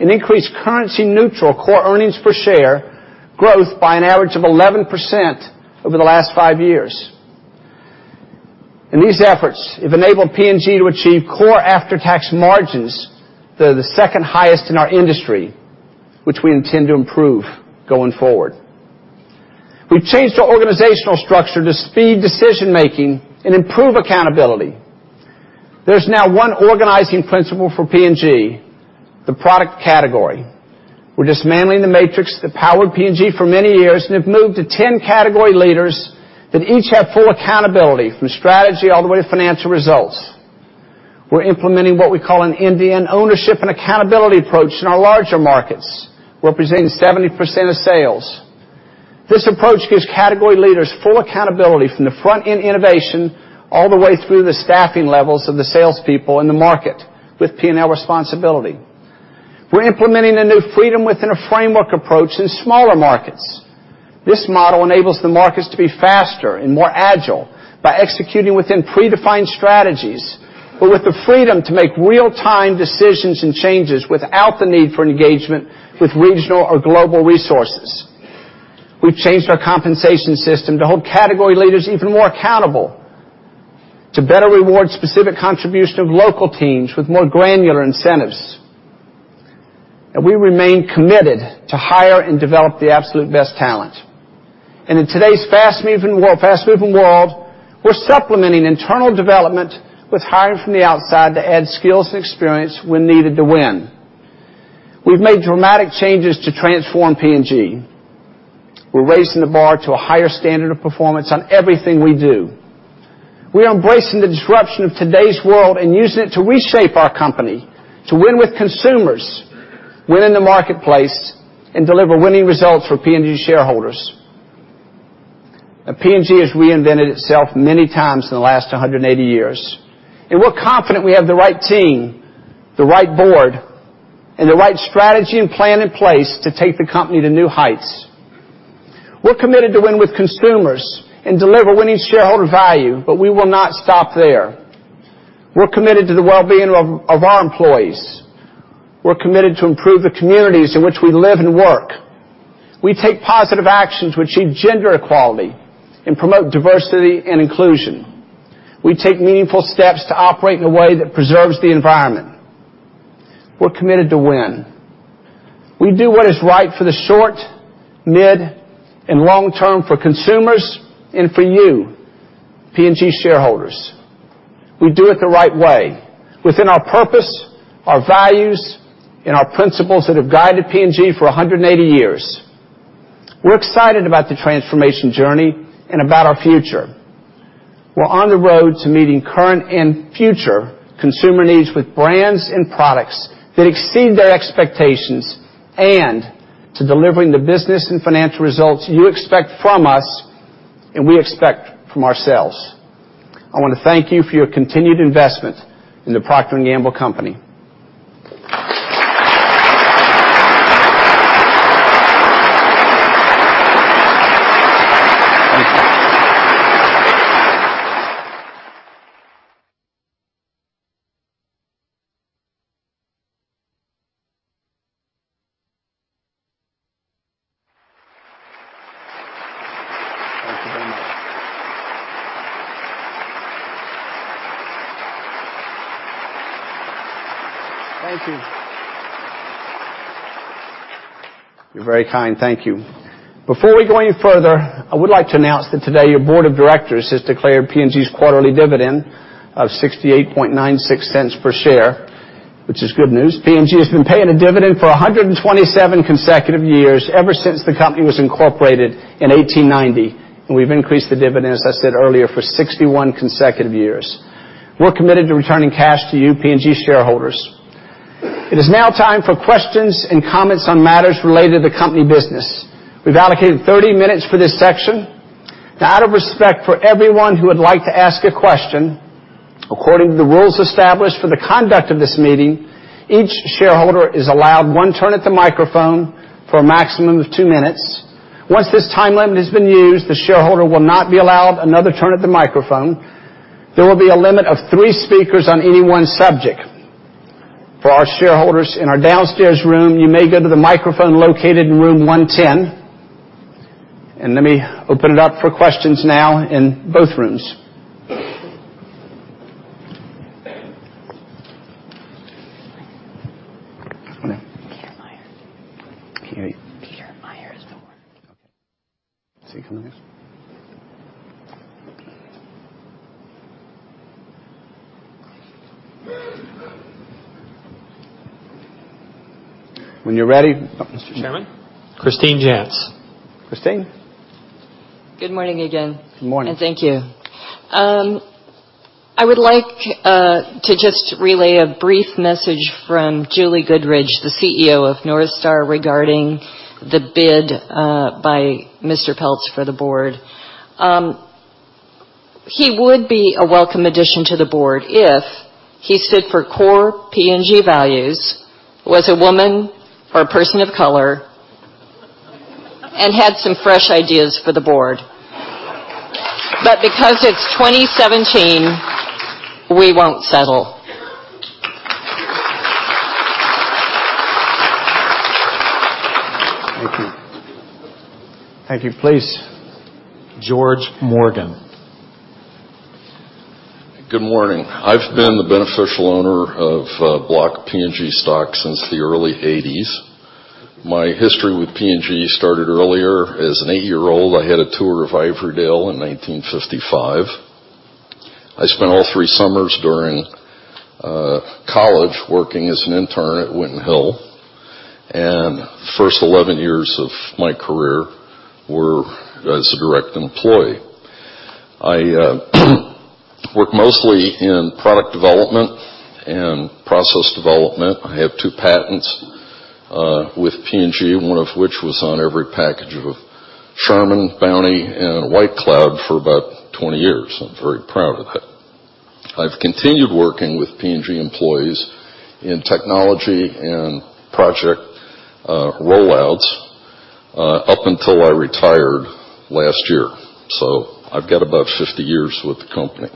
Speaker 2: It increased currency neutral core earnings per share growth by an average of 11% over the last five years. These efforts have enabled P&G to achieve core after-tax margins that are the second highest in our industry, which we intend to improve going forward. We've changed our organizational structure to speed decision-making and improve accountability. There's now one organizing principle for P&G, the product category. We're dismantling the matrix that powered P&G for many years and have moved to 10 category leaders that each have full accountability, from strategy all the way to financial results. We're implementing what we call an end-to-end ownership and accountability approach in our larger markets, representing 70% of sales. This approach gives category leaders full accountability from the front-end innovation all the way through the staffing levels of the salespeople in the market with P&L responsibility. We're implementing a new freedom within a framework approach in smaller markets. This model enables the markets to be faster and more agile by executing within predefined strategies, but with the freedom to make real-time decisions and changes without the need for engagement with regional or global resources. We've changed our compensation system to hold category leaders even more accountable, to better reward specific contribution of local teams with more granular incentives. We remain committed to hire and develop the absolute best talent. In today's fast-moving world, we're supplementing internal development with hiring from the outside to add skills and experience when needed to win. We've made dramatic changes to transform P&G. We're raising the bar to a higher standard of performance on everything we do. We are embracing the disruption of today's world and using it to reshape our company, to win with consumers, win in the marketplace, and deliver winning results for P&G shareholders. P&G has reinvented itself many times in the last 180 years, and we're confident we have the right team, the right board, and the right strategy and plan in place to take the company to new heights. We're committed to win with consumers and deliver winning shareholder value, but we will not stop there. We're committed to the well-being of our employees. We're committed to improve the communities in which we live and work. We take positive actions to achieve gender equality and promote diversity and inclusion. We take meaningful steps to operate in a way that preserves the environment. We're committed to win. We do what is right for the short, mid, and long term for consumers and for you, P&G shareholders. We do it the right way, within our purpose, our values, and our principles that have guided P&G for 180 years. We're excited about the transformation journey and about our future. We're on the road to meeting current and future consumer needs with brands and products that exceed their expectations, and to delivering the business and financial results you expect from us and we expect from ourselves. I want to thank you for your continued investment in The Procter & Gamble Company. Thank you. Thank you very much. Thank you. You're very kind. Thank you. Before we go any further, I would like to announce that today our Board of Directors has declared P&G's quarterly dividend of $0.6896 per share, which is good news. P&G has been paying a dividend for 127 consecutive years, ever since the company was incorporated in 1890, and we've increased the dividend, as I said earlier, for 61 consecutive years. We're committed to returning cash to you, P&G shareholders. It is now time for questions and comments on matters related to company business. We've allocated 30 minutes for this section. Out of respect for everyone who would like to ask a question- According to the rules established for the conduct of this meeting, each shareholder is allowed one turn at the microphone for a maximum of two minutes. Once this time limit has been used, the shareholder will not be allowed another turn at the microphone. There will be a limit of three speakers on any one subject. For our shareholders in our downstairs room, you may go to the microphone located in room 110. And let me open it up for questions now in both rooms. Okay.
Speaker 4: Peter Meyer.
Speaker 2: Peter-
Speaker 4: Peter Meyer is the one.
Speaker 2: Okay. Is he coming here? When you're ready.
Speaker 4: Mr. Chairman. Christine Janzsen.
Speaker 2: Christine.
Speaker 5: Good morning again.
Speaker 2: Good morning.
Speaker 5: Thank you. I would like to just relay a brief message from Julie Goodridge, the CEO of NorthStar, regarding the bid by Mr. Peltz for the board. He would be a welcome addition to the board if he stood for core P&G values, was a woman or a person of color and had some fresh ideas for the board. Because it's 2017, we won't settle.
Speaker 2: Thank you. Thank you. Please.
Speaker 4: George Morgan.
Speaker 8: Good morning. I've been the beneficial owner of block P&G stock since the early 1980s. My history with P&G started earlier. As an eight-year-old, I had a tour of Ivorydale in 1955. I spent all three summers during college working as an intern at Winton Hill, the first 11 years of my career were as a direct employee. I work mostly in product development and process development. I have two patents with P&G, one of which was on every package of Charmin, Bounty, and White Cloud for about 20 years. I'm very proud of that. I've continued working with P&G employees in technology and project rollouts up until I retired last year. I've got about 50 years with the company.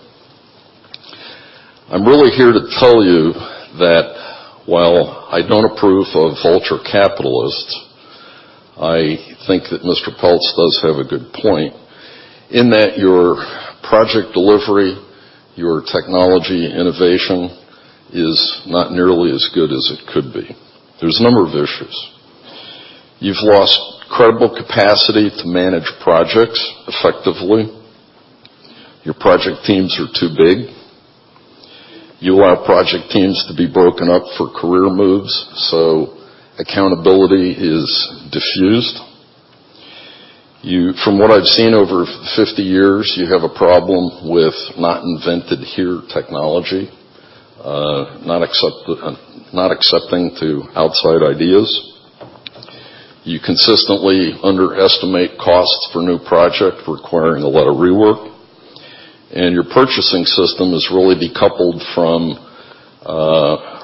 Speaker 8: I'm really here to tell you that while I don't approve of vulture capitalists, I think that Mr. Peltz does have a good point in that your project delivery, your technology innovation is not nearly as good as it could be. There's a number of issues. You've lost credible capacity to manage projects effectively. Your project teams are too big. You allow project teams to be broken up for career moves, so accountability is diffused. From what I've seen over 50 years, you have a problem with not invented here technology, not accepting to outside ideas. You consistently underestimate costs for a new project, requiring a lot of rework. Your purchasing system is really decoupled from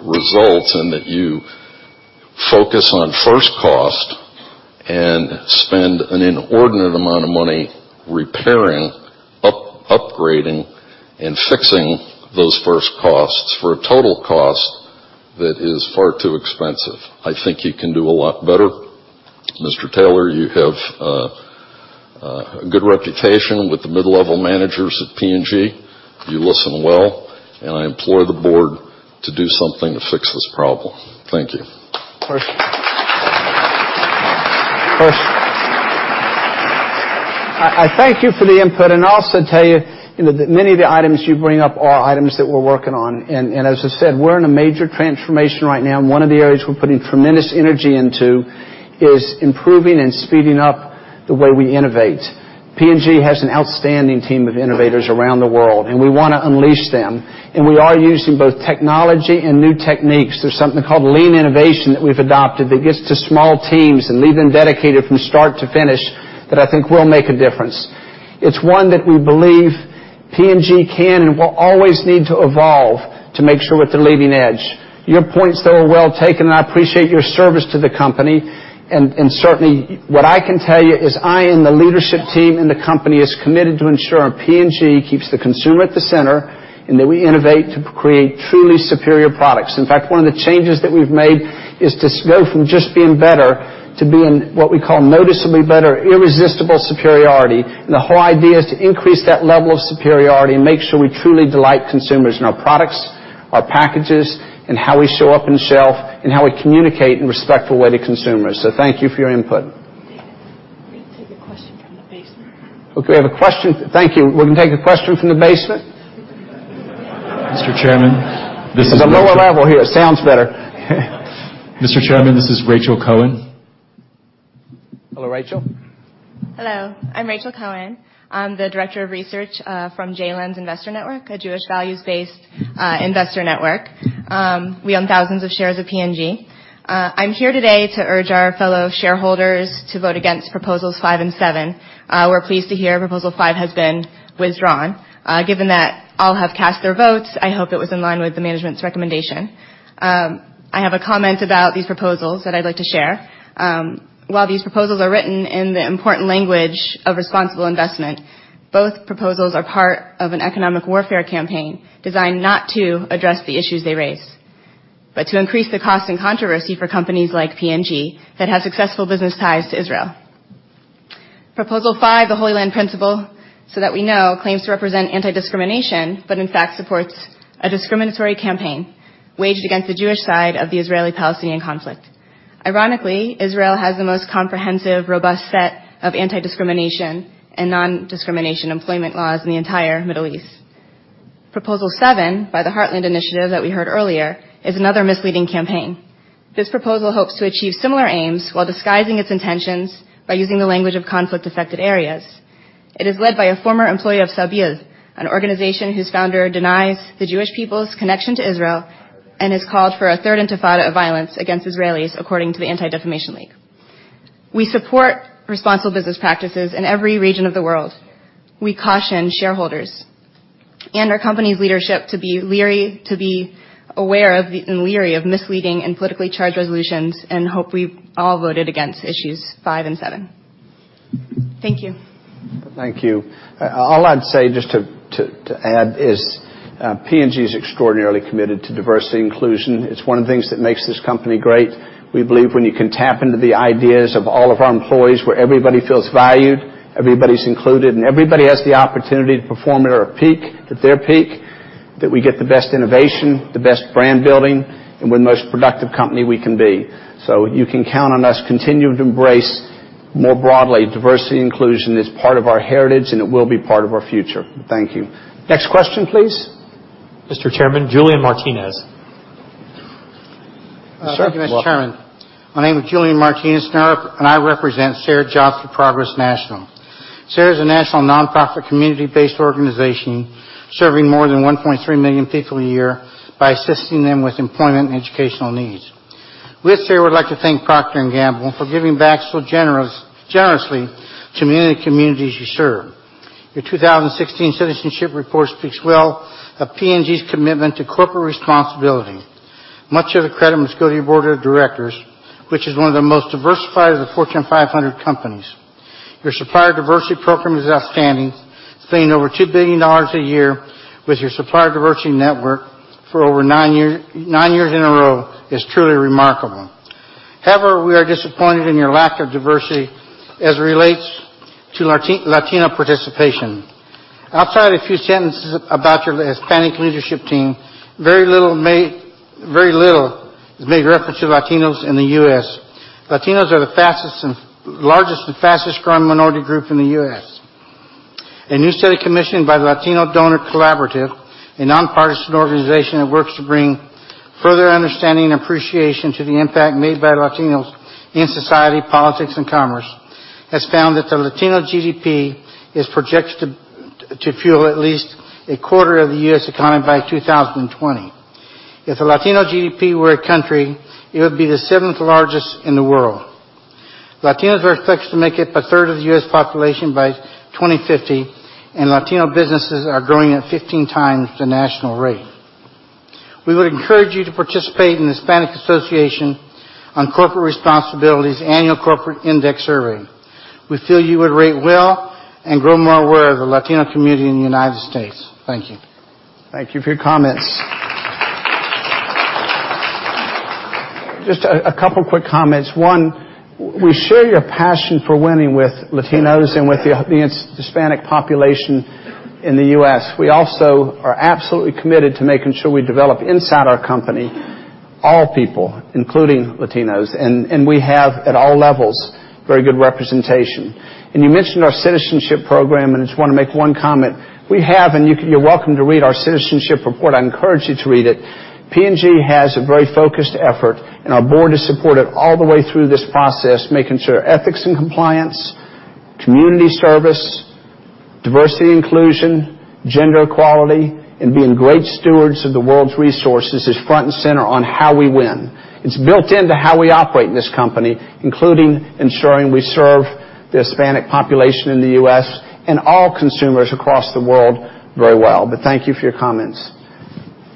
Speaker 8: results in that you focus on first cost and spend an inordinate amount of money repairing, upgrading, and fixing those first costs for a total cost that is far too expensive. I think you can do a lot better. Mr. Taylor, you have a good reputation with the mid-level managers at P&G. You listen well, I implore the board to do something to fix this problem. Thank you.
Speaker 2: Of course. I thank you for the input, I'll also tell you that many of the items you bring up are items that we're working on. As I said, we're in a major transformation right now, one of the areas we're putting tremendous energy into is improving and speeding up the way we innovate. P&G has an outstanding team of innovators around the world, we want to unleash them. We are using both technology and new techniques. There's something called lean innovation that we've adopted that gets to small teams and leave them dedicated from start to finish that I think will make a difference. It's one that we believe P&G can and will always need to evolve to make sure we're at the leading edge. Your points, though, are well taken, I appreciate your service to the company. Certainly, what I can tell you is I and the leadership team in the company is committed to ensure P&G keeps the consumer at the center, that we innovate to create truly superior products. In fact, one of the changes that we've made is to go from just being better to being what we call noticeably better, irresistible superiority. The whole idea is to increase that level of superiority and make sure we truly delight consumers in our products, our packages, how we show up in shelf, how we communicate in a respectful way to consumers. Thank you for your input.
Speaker 4: We're going to take a question from the basement.
Speaker 2: Okay, we have a question. Thank you. We're gonna take a question from the basement.
Speaker 9: Mr. Chairman, this is-
Speaker 2: It's a lower level here. It sounds better.
Speaker 9: Mr. Chairman, this is Rachel Cohen.
Speaker 2: Hello, Rachel.
Speaker 9: Hello. I'm Rachel Cohen. I'm the director of research from JLens Investor Network, a Jewish values-based investor network. We own thousands of shares of P&G. I'm here today to urge our fellow shareholders to vote against proposals five and seven. We're pleased to hear proposal five has been withdrawn. Given that all have cast their votes, I hope it was in line with the management's recommendation. I have a comment about these proposals that I'd like to share. While these proposals are written in the important language of responsible investment, both proposals are part of an economic warfare campaign designed not to address the issues they raise, but to increase the cost and controversy for companies like P&G that have successful business ties to Israel. Proposal five, the Holy Land Principles, so that we know, claims to represent anti-discrimination, but in fact supports a discriminatory campaign waged against the Jewish side of the Israeli-Palestinian conflict. Ironically, Israel has the most comprehensive, robust set of anti-discrimination and non-discrimination employment laws in the entire Middle East. Proposal seven, by the Heartland Initiative that we heard earlier, is another misleading campaign. This proposal hopes to achieve similar aims while disguising its intentions by using the language of conflict-affected areas. It is led by a former employee of Sabeel, an organization whose founder denies the Jewish people's connection to Israel and has called for a third Intifada of violence against Israelis, according to the Anti-Defamation League. We support responsible business practices in every region of the world. We caution shareholders and our company's leadership to be aware of and leery of misleading and politically charged resolutions and hope we've all voted against issues five and seven. Thank you.
Speaker 2: Thank you. All I'd say just to add is P&G is extraordinarily committed to diversity inclusion. It's one of the things that makes this company great. We believe when you can tap into the ideas of all of our employees where everybody feels valued, everybody's included, and everybody has the opportunity to perform at their peak, that we get the best innovation, the best brand building, and we're the most productive company we can be. You can count on us continuing to embrace more broadly diversity inclusion as part of our heritage, and it will be part of our future. Thank you. Next question, please.
Speaker 4: Mr. Chairman, Julian Martinez.
Speaker 2: Sir, you are welcome.
Speaker 10: Thank you, Mr. Chairman. My name is Julian Martinez, and I represent SER Jobs for Progress National. SER is a national non-profit community-based organization serving more than 1.3 million people a year by assisting them with employment and educational needs. We at SER would like to thank Procter & Gamble for giving back so generously to many communities you serve. Your 2016 citizenship report speaks well of P&G's commitment to corporate responsibility. Much of the credit must go to your board of directors, which is one of the most diversified of the Fortune 500 companies. Your supplier diversity program is outstanding, paying over $2 billion a year with your supplier diversity network for over nine years in a row is truly remarkable. We are disappointed in your lack of diversity as it relates to Latino participation. Outside a few sentences about your Hispanic leadership team, very little is made reference to Latinos in the U.S. Latinos are the largest and fastest-growing minority group in the U.S. A new study commissioned by the Latino Donor Collaborative, a nonpartisan organization that works to bring further understanding and appreciation to the impact made by Latinos in society, politics, and commerce, has found that the Latino GDP is projected to fuel at least a quarter of the U.S. economy by 2020. If the Latino GDP were a country, it would be the seventh largest in the world. Latinos are expected to make up a third of the U.S. population by 2050, and Latino businesses are growing at 15 times the national rate. We would encourage you to participate in the Hispanic Association on Corporate Responsibility's annual corporate index survey. We feel you would rate well and grow more aware of the Latino community in the United States. Thank you.
Speaker 2: Thank you for your comments. Just a couple of quick comments. One, we share your passion for winning with Latinos and with the Hispanic population in the U.S. We also are absolutely committed to making sure we develop inside our company, all people, including Latinos, and we have at all levels, very good representation. You mentioned our citizenship program, and I just want to make one comment. We have, and you are welcome to read our citizenship report, I encourage you to read it. P&G has a very focused effort, and our board has supported all the way through this process, making sure ethics and compliance, community service, diversity inclusion, gender equality, and being great stewards of the world's resources is front and center on how we win. It is built into how we operate in this company, including ensuring we serve the Hispanic population in the U.S. and all consumers across the world very well. Thank you for your comments.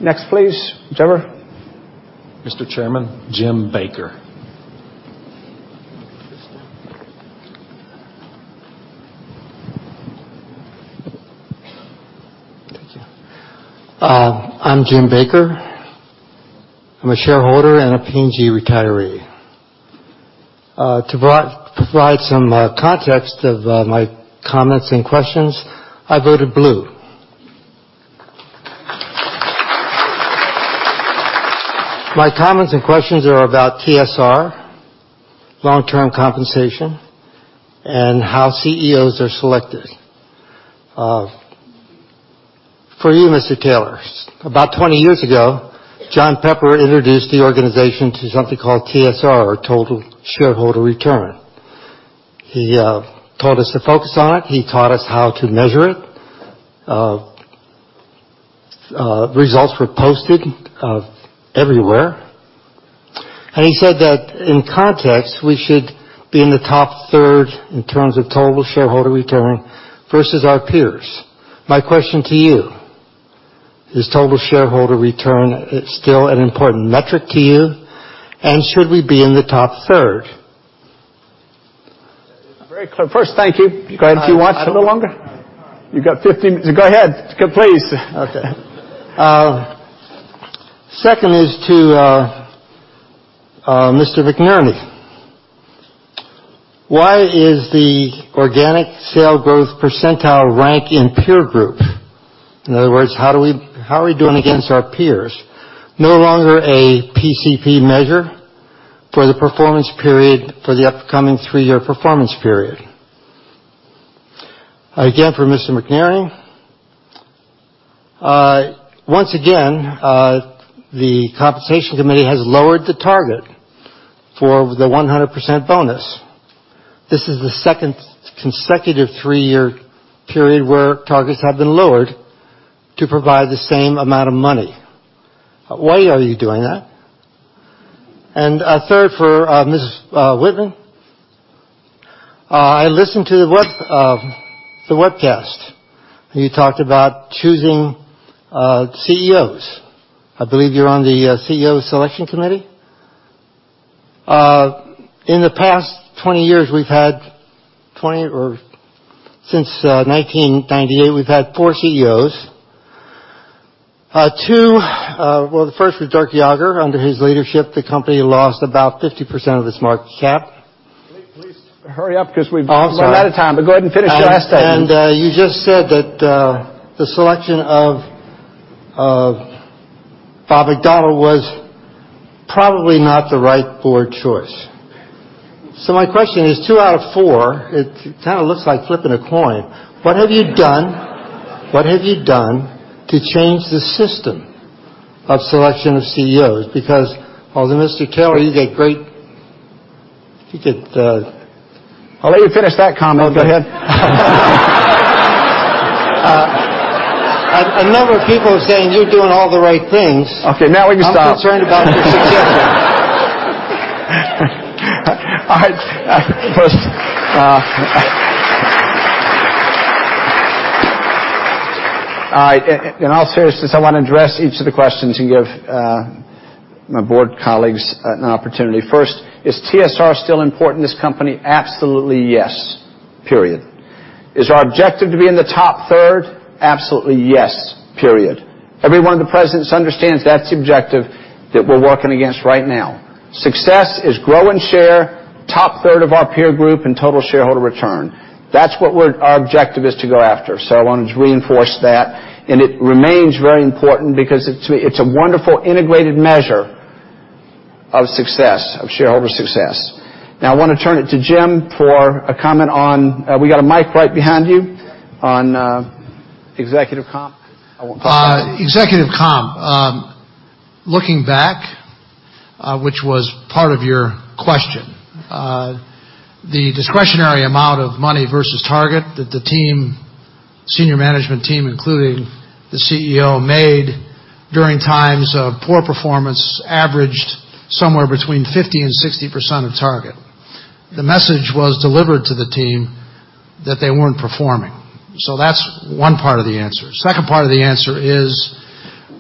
Speaker 2: Next, please. Whichever.
Speaker 4: Mr. Chairman, Jim Baker.
Speaker 11: Thank you. I'm Jim Baker. I'm a shareholder and a P&G retiree. To provide some context of my comments and questions, I voted blue. My comments and questions are about TSR, long-term compensation, and how CEOs are selected. For you, Mr. Taylor, about 20 years ago, John Pepper introduced the organization to something called TSR, or Total Shareholder Return. He taught us to focus on it. He taught us how to measure it. Results were posted everywhere, and he said that in context, we should be in the top third in terms of total shareholder return versus our peers. My question to you, is total shareholder return still an important metric to you? Should we be in the top third?
Speaker 2: Very clear. First, thank you. Go ahead. Do you want a little longer?
Speaker 11: I-
Speaker 2: You got 15. Go ahead. Please.
Speaker 11: Okay. Second is to Mr. McNerney. Why is the organic sales growth percentile rank in peer group, in other words, how are we doing against our peers, no longer a PSP measure for the performance period for the upcoming three-year performance period? Again, for Mr. McNerney. Once again, the compensation committee has lowered the target for the 100% bonus. This is the second consecutive three-year period where targets have been lowered to provide the same amount of money. Why are you doing that? Third, for Mrs. Whitman. I listened to the webcast where you talked about choosing CEOs. I believe you're on the CEO selection committee. In the past 20 years, we've had 20, or since 1998, we've had four CEOs. Two. Well, the first was Durk Jager. Under his leadership, the company lost about 50% of its market cap. Please hurry up because we've- Oh, sorry.
Speaker 2: We're out of time. Go ahead and finish your last statement.
Speaker 11: You just said that the selection of Bob McDonald was probably not the right board choice. My question is, two out of four, it kind of looks like flipping a coin. What have you done to change the system of selection of CEOs? Because although Mr. Taylor, you did great, you did,
Speaker 2: I'll let you finish that comment. Go ahead.
Speaker 11: A number of people are saying you're doing all the right things.
Speaker 2: Okay, now will you stop?
Speaker 11: I'm concerned about the succession.
Speaker 2: In all seriousness, I want to address each of the questions and give my board colleagues an opportunity. First, is TSR still important to this company? Absolutely, yes. Period. Is our objective to be in the top third? Absolutely, yes. Period. Every one of the presidents understands that's the objective that we're working against right now. Success is grow and share top third of our peer group in total shareholder return. That's what our objective is to go after. I wanted to reinforce that, and it remains very important because it's a wonderful integrated measure of success, of shareholder success. Now I want to turn it to Jim for a comment on, we got a mic right behind you, on executive comp. I won't talk about it.
Speaker 12: Executive comp. Looking back, which was part of your question, the discretionary amount of money versus target that the senior management team, including the CEO, made during times of poor performance averaged somewhere between 50% and 60% of target. The message was delivered to the team that they weren't performing. Second part of the answer is,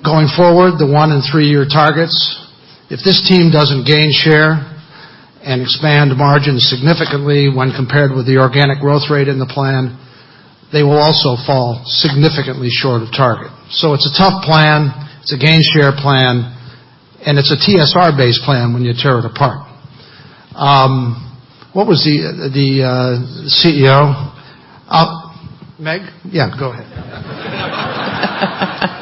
Speaker 12: going forward, the one in three-year targets, if this team doesn't gain share and expand margins significantly when compared with the organic growth rate in the plan, they will also fall significantly short of target. It's a tough plan, it's a gain share plan, and it's a TSR-based plan when you tear it apart. What was the CEO
Speaker 2: Meg?
Speaker 12: Yeah, go ahead.
Speaker 13: Thank you.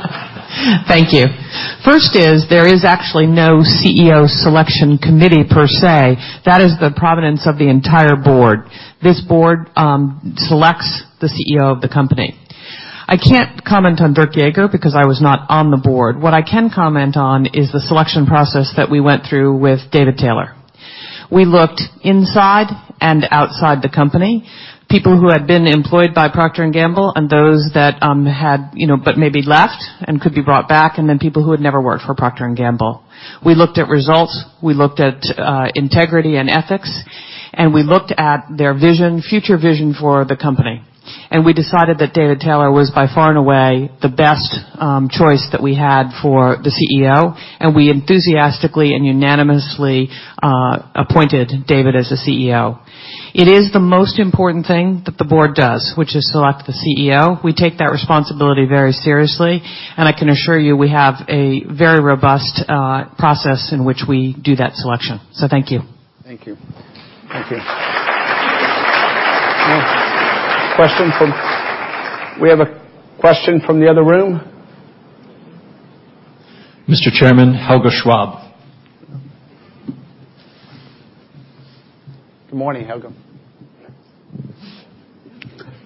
Speaker 13: First is, there is actually no CEO selection committee per se. That is the providence of the entire board. This board selects the CEO of the company. I can't comment on Durk Jager because I was not on the board. What I can comment on is the selection process that we went through with David Taylor. We looked inside and outside the company, people who had been employed by Procter & Gamble, and those that had but maybe left and could be brought back, and then people who had never worked for Procter & Gamble. We looked at results, we looked at integrity and ethics, and we looked at their vision, future vision for the company. We decided that David Taylor was by far and away the best choice that we had for the CEO, and we enthusiastically and unanimously appointed David as the CEO. It is the most important thing that the board does, which is select the CEO. We take that responsibility very seriously, and I can assure you we have a very robust process in which we do that selection. Thank you.
Speaker 2: Thank you. Thank you. We have a question from the other room.
Speaker 11: Mr. Chairman, Helga Schwabe.
Speaker 2: Good morning, Helga.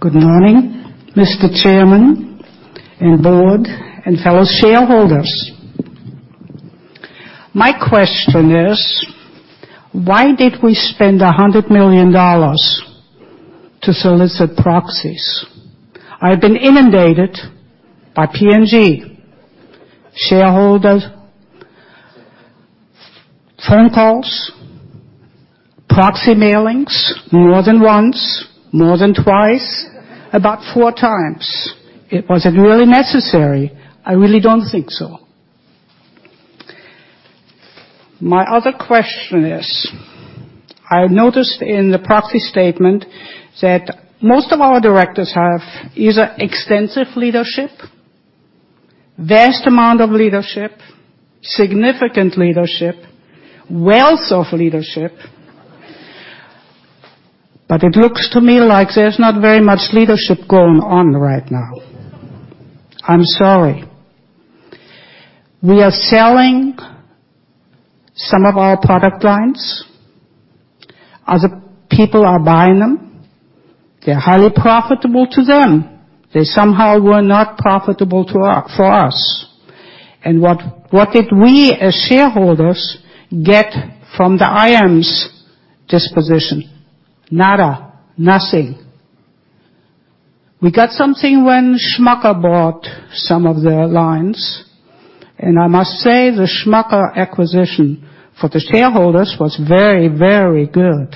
Speaker 11: Good morning.
Speaker 14: Good morning, Mr. Chairman, board and fellow shareholders. My question is, why did we spend $100 million to solicit proxies? I've been inundated by P&G shareholders, phone calls, proxy mailings, more than once, more than twice, about four times. Was it really necessary? I really don't think so. My other question is, I noticed in the proxy statement that most of our directors have either extensive leadership, vast amount of leadership, significant leadership, wealth of leadership, but it looks to me like there's not very much leadership going on right now. I'm sorry. We are selling some of our product lines. Other people are buying them. They're highly profitable to them. They somehow were not profitable for us. What did we as shareholders get from the Iams disposition? Nada. Nothing. We got something when Smucker's bought some of their lines, and I must say, the Smucker's acquisition for the shareholders was very, very good.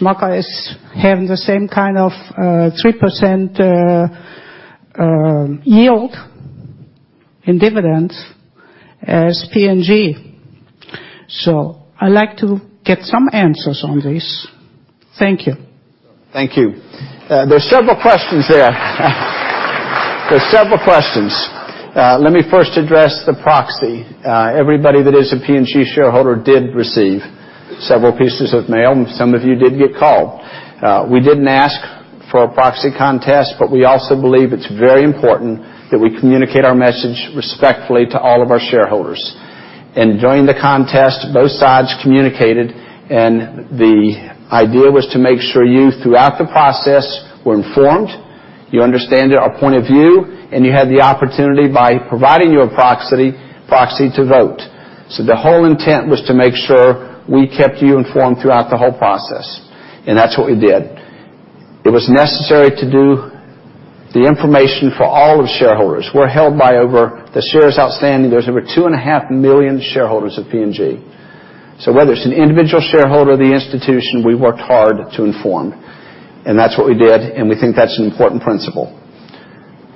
Speaker 14: Smucker's is having the same kind of 3% yield in dividends as P&G. I'd like to get some answers on this. Thank you.
Speaker 2: Thank you. There's several questions there. There's several questions. Let me first address the proxy. Everybody that is a P&G shareholder did receive several pieces of mail, and some of you did get called. We didn't ask for a proxy contest, but we also believe it's very important that we communicate our message respectfully to all of our shareholders. During the contest, both sides communicated, and the idea was to make sure you, throughout the process, were informed, you understand our point of view, and you had the opportunity by providing your proxy to vote. The whole intent was to make sure we kept you informed throughout the whole process, and that's what we did. It was necessary to do the information for all of the shareholders. The shares outstanding, there's over 2.5 million shareholders of P&G. Whether it's an individual shareholder or the institution, we worked hard to inform, and that's what we did, and we think that's an important principle.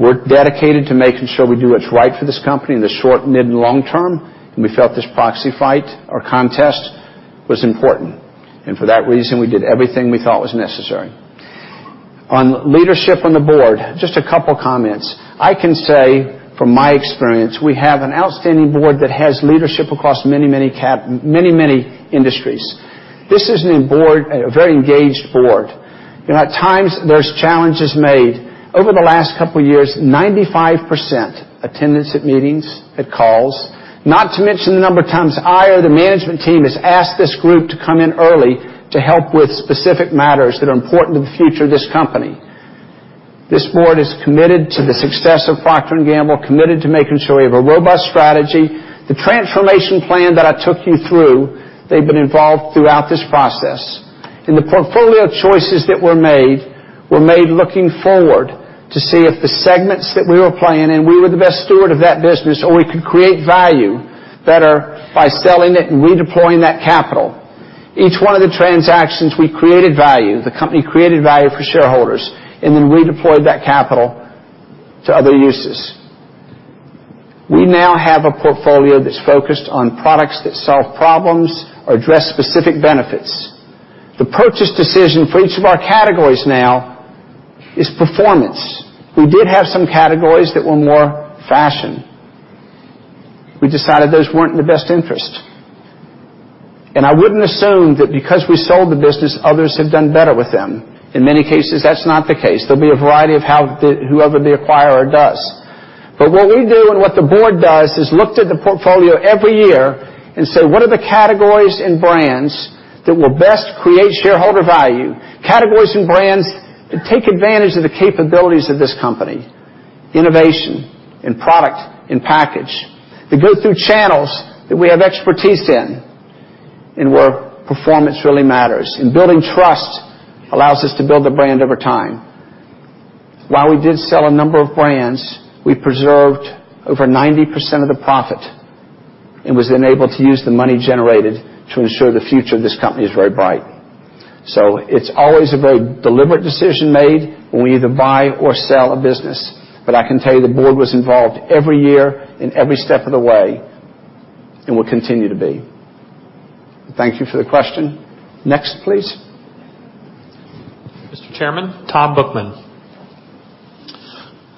Speaker 2: We're dedicated to making sure we do what's right for this company in the short, mid, and long term, and we felt this proxy fight or contest was important. For that reason, we did everything we thought was necessary. On leadership on the board, just a couple of comments. I can say from my experience, we have an outstanding board that has leadership across many, many industries. This is a very engaged board, and at times, there's challenges made. Over the last couple of years, 95% attendance at meetings, at calls, not to mention the number of times I or the management team has asked this group to come in early to help with specific matters that are important to the future of this company. This board is committed to the success of Procter & Gamble, committed to making sure we have a robust strategy. The transformation plan that I took you through, they've been involved throughout this process, and the portfolio choices that were made were made looking forward to see if the segments that we were playing in, we were the best steward of that business, or we could create value better by selling it and redeploying that capital. Each one of the transactions, we created value. The company created value for shareholders and then redeployed that capital to other uses. We now have a portfolio that's focused on products that solve problems or address specific benefits. The purchase decision for each of our categories now is performance. We did have some categories that were more fashion. We decided those weren't in the best interest. I wouldn't assume that because we sold the business, others have done better with them. In many cases, that's not the case. There'll be a variety of whoever the acquirer does. What we do and what the board does is looked at the portfolio every year and say, "What are the categories and brands that will best create shareholder value?" Categories and brands that take advantage of the capabilities of this company, innovation in product, in package. That go through channels that we have expertise in and where performance really matters, and building trust allows us to build the brand over time. While we did sell a number of brands, we preserved over 90% of the profit and was then able to use the money generated to ensure the future of this company is very bright. It's always a very deliberate decision made when we either buy or sell a business. I can tell you the board was involved every year in every step of the way and will continue to be. Thank you for the question. Next, please.
Speaker 13: Mr. Chairman, Tom Bookman.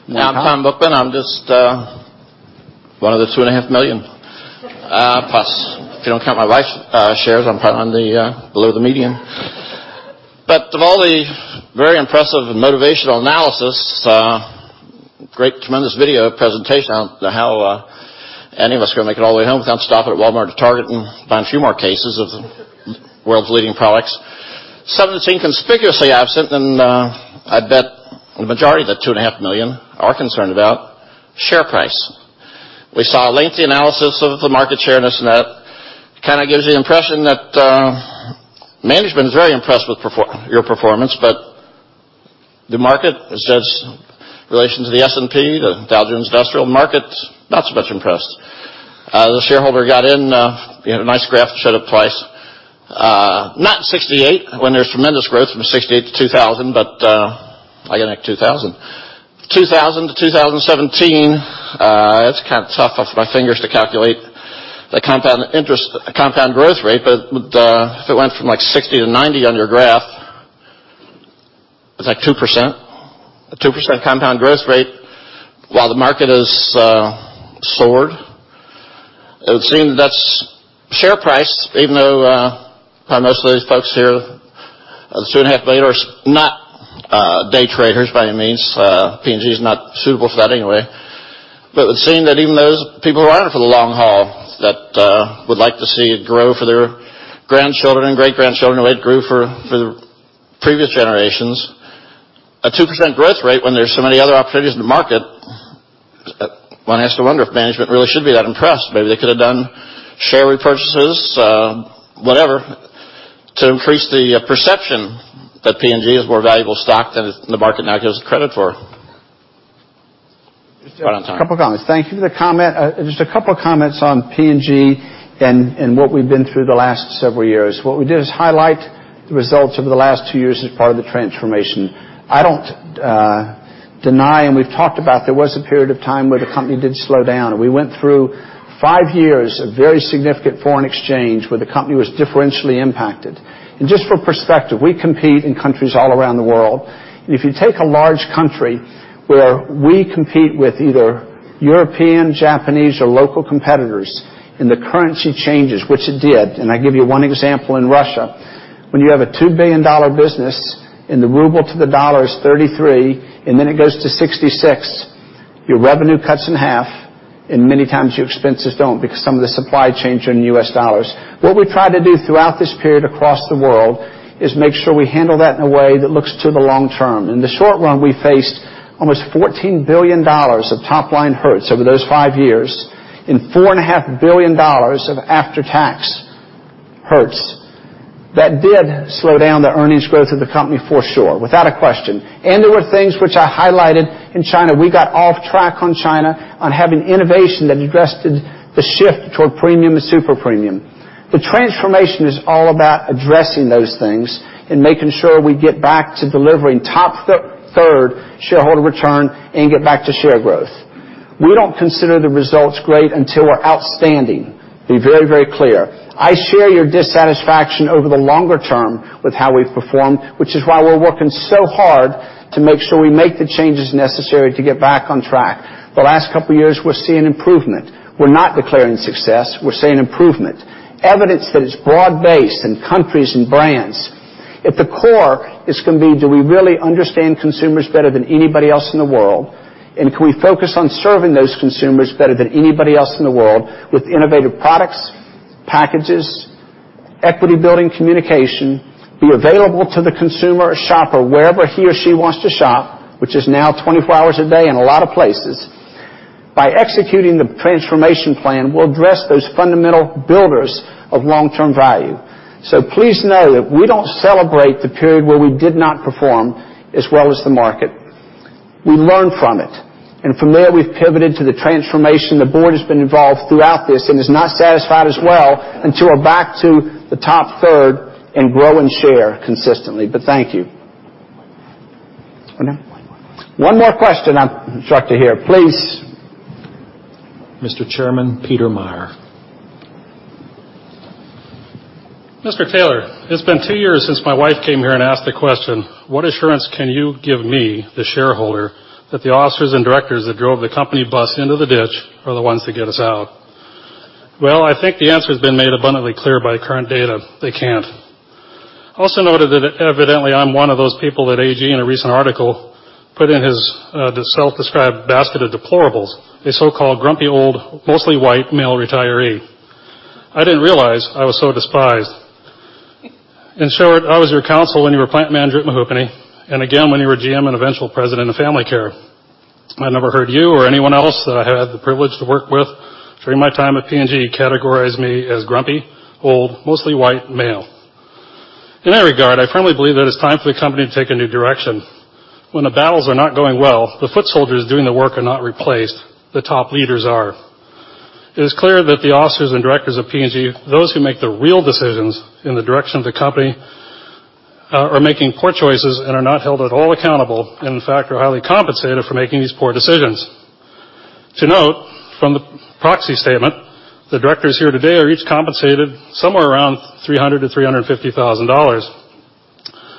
Speaker 2: Yeah.
Speaker 15: I'm Tom Bookman. I'm just one of the 2.5 million. Plus, if you don't count my wife's shares, I'm probably below the median. Of all the very impressive motivational analysis, great, tremendous video presentation on how any of us are going to make it all the way home without stopping at Walmart or Target and buying a few more cases of the world's leading products. Something that's been conspicuously absent, and I bet the majority of the 2.5 million are concerned about, share price. We saw a lengthy analysis of the market share, and this and that. Kind of gives the impression that management is very impressed with your performance, the market, as does relation to the S&P, the Dow Jones Industrial market, not so much impressed. The shareholder got in, you had a nice graph to show the price. Not 1968, when there's tremendous growth from 1968 to 2000, I get back to 2000. 2000 to 2017, it's kind of tough off my fingers to calculate the compound growth rate. If it went from 60 to 90 on your graph, it's like 2%. A 2% compound growth rate while the market has soared. It would seem that's share price, even though probably most of these folks here, the 2.5 million, are not day traders by any means. P&G's not suitable for that anyway. It would seem that even those people who are in it for the long haul that would like to see it grow for their grandchildren and great-grandchildren, the way it grew for the previous generations, a 2% growth rate when there's so many other opportunities in the market, one has to wonder if management really should be that impressed. Maybe they could have done share repurchases, whatever, to increase the perception that P&G is more valuable stock than the market now gives credit for. Right on time.
Speaker 2: A couple comments. Thank you for the comment. Just a couple of comments on P&G and what we've been through the last several years. What we did is highlight the results over the last two years as part of the transformation. I don't deny, and we've talked about, there was a period of time where the company did slow down, and we went through five years of very significant foreign exchange where the company was differentially impacted. Just for perspective, we compete in countries all around the world. If you take a large country where we compete with either European, Japanese, or local competitors, and the currency changes, which it did, I give you one example in Russia. When you have a $2 billion business and the ruble to the dollar is 33, then it goes to 66, your revenue cuts in half, and many times, your expenses don't because some of the supply chains are in U.S. dollars. What we tried to do throughout this period across the world is make sure we handle that in a way that looks to the long term. In the short run, we faced almost $14 billion of top-line hurts over those five years and $4.5 billion of after-tax hurts. That did slow down the earnings growth of the company for sure, without a question. There were things which I highlighted in China. We got off track on China on having innovation that addressed the shift toward premium to super premium. The transformation is all about addressing those things and making sure we get back to delivering top third shareholder return and get back to share growth. We don't consider the results great until we're outstanding. Be very, very clear. I share your dissatisfaction over the longer term with how we've performed, which is why we're working so hard to make sure we make the changes necessary to get back on track. The last couple of years, we're seeing improvement. We're not declaring success. We're seeing improvement. Evidence that it's broad-based in countries and brands. At the core, it's going to be, do we really understand consumers better than anybody else in the world? Can we focus on serving those consumers better than anybody else in the world with innovative products, packages, equity-building communication, be available to the consumer or shopper wherever he or she wants to shop, which is now 24 hours a day in a lot of places? By executing the transformation plan, we'll address those fundamental builders of long-term value. Please know that we don't celebrate the period where we did not perform as well as the market. We learn from it. From there, we've pivoted to the transformation. The board has been involved throughout this and is not satisfied as well until we're back to the top third in grow and share consistently. Thank you. One more. One more question I'm instructed to hear. Please.
Speaker 16: Mr. Chairman, Peter Meyer. Mr. Taylor, it's been two years since my wife came here and asked the question, what assurance can you give me, the shareholder, that the officers and directors that drove the company bus into the ditch are the ones that get us out? Well, I think the answer's been made abundantly clear by current data. They can't. Also noted that evidently, I'm one of those people that AG, in a recent article, put in his self-described basket of deplorables, a so-called grumpy, old, mostly white, male retiree. I didn't realize I was so despised. In short, I was your counsel when you were plant manager at Mehoopany, and again when you were GM and eventual president of Family Care. I never heard you or anyone else that I had the privilege to work with during my time at P&G categorize me as grumpy, old, mostly white male. In that regard, I firmly believe that it's time for the company to take a new direction. When the battles are not going well, the foot soldiers doing the work are not replaced, the top leaders are. It is clear that the officers and directors of P&G, those who make the real decisions in the direction of the company, are making poor choices and are not held at all accountable, and in fact, are highly compensated for making these poor decisions. To note, from the proxy statement, the directors here today are each compensated somewhere around $300,000-$350,000.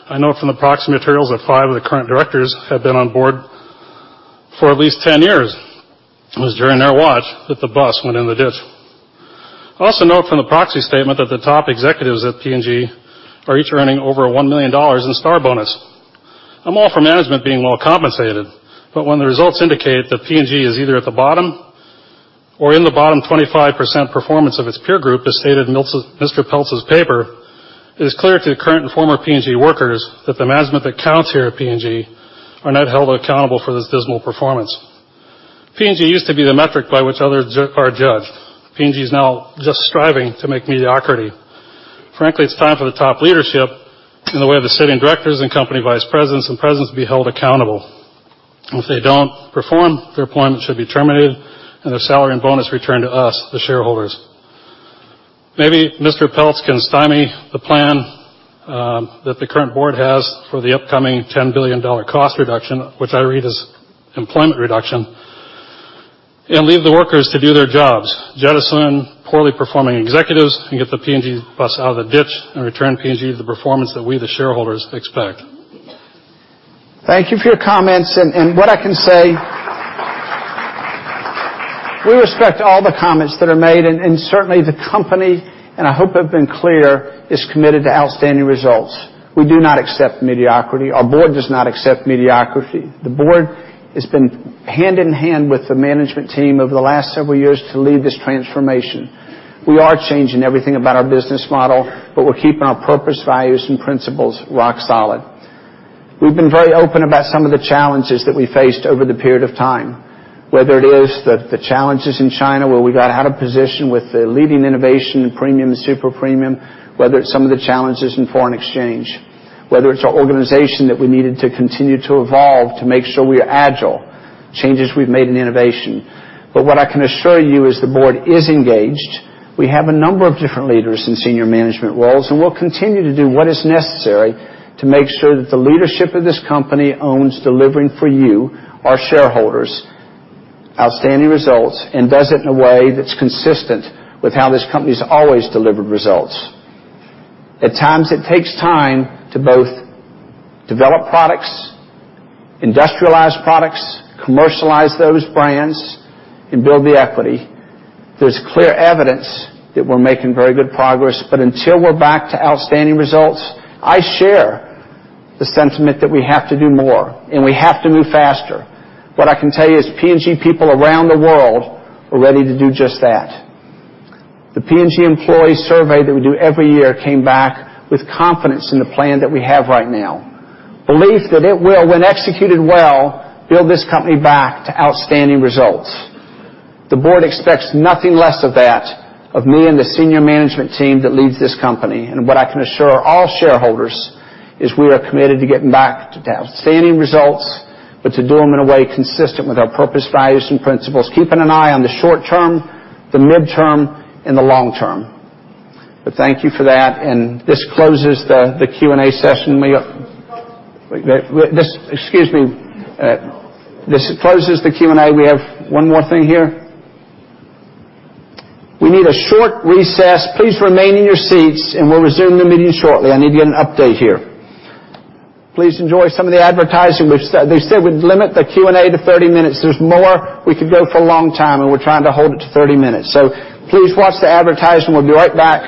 Speaker 16: I know from the proxy materials that five of the current directors have been on board for at least 10 years. It was during their watch that the bus went in the ditch. I also note from the proxy statement that the top executives at P&G are each earning over $1 million in STAR bonus. I'm all for management being well compensated, but when the results indicate that P&G is either at the bottom or in the bottom 25% performance of its peer group, as stated in Mr. Peltz's paper, it is clear to the current and former P&G workers that the management that counts here at P&G are not held accountable for this dismal performance. P&G used to be the metric by which others are judged. P&G is now just striving to make mediocrity. Frankly, it's time for the top leadership in the way of the sitting directors and company vice presidents and presidents to be held accountable. If they don't perform, their employment should be terminated, and their salary and bonus returned to us, the shareholders. Maybe Mr. Peltz can stymie the plan that the current board has for the upcoming $10 billion cost reduction, which I read as employment reduction, and leave the workers to do their jobs, jettison poorly performing executives, and get the P&G bus out of the ditch, and return P&G to the performance that we, the shareholders, expect.
Speaker 2: What I can say, we respect all the comments that are made, and certainly, the company, and I hope I've been clear, is committed to outstanding results. We do not accept mediocrity. Our board does not accept mediocrity. The board has been hand-in-hand with the management team over the last several years to lead this transformation. We are changing everything about our business model, but we're keeping our purpose, values, and principles rock solid. We've been very open about some of the challenges that we faced over the period of time, whether it is the challenges in China, where we got out of position with the leading innovation in premium and super premium, whether it's some of the challenges in foreign exchange, whether it's our organization that we needed to continue to evolve to make sure we are agile, changes we've made in innovation. What I can assure you is the board is engaged. We have a number of different leaders in senior management roles, and we'll continue to do what is necessary to make sure that the leadership of this company owns delivering for you, our shareholders, outstanding results, and does it in a way that's consistent with how this company's always delivered results. At times, it takes time to both develop products, industrialize products, commercialize those brands, and build the equity. There's clear evidence that we're making very good progress, but until we're back to outstanding results, I share the sentiment that we have to do more, and we have to move faster. What I can tell you is P&G people around the world are ready to do just that. The P&G employee survey that we do every year came back with confidence in the plan that we have right now, belief that it will, when executed well, build this company back to outstanding results. The board expects nothing less of that of me and the senior management team that leads this company. And what I can assure all shareholders is we are committed to getting back to outstanding results, but to do them in a way consistent with our purpose, values, and principles, keeping an eye on the short term, the midterm, and the long term. Thank you for that, and this closes the Q&A session.
Speaker 16: Mr. Peltz?
Speaker 2: Excuse me. This closes the Q&A. We have one more thing here. We need a short recess. Please remain in your seats, and we'll resume the meeting shortly. I need to get an update here. Please enjoy some of the advertising. They said we'd limit the Q&A to 30 minutes. There's more. We could go for a long time, and we're trying to hold it to 30 minutes. Please watch the advertising. We'll be right back.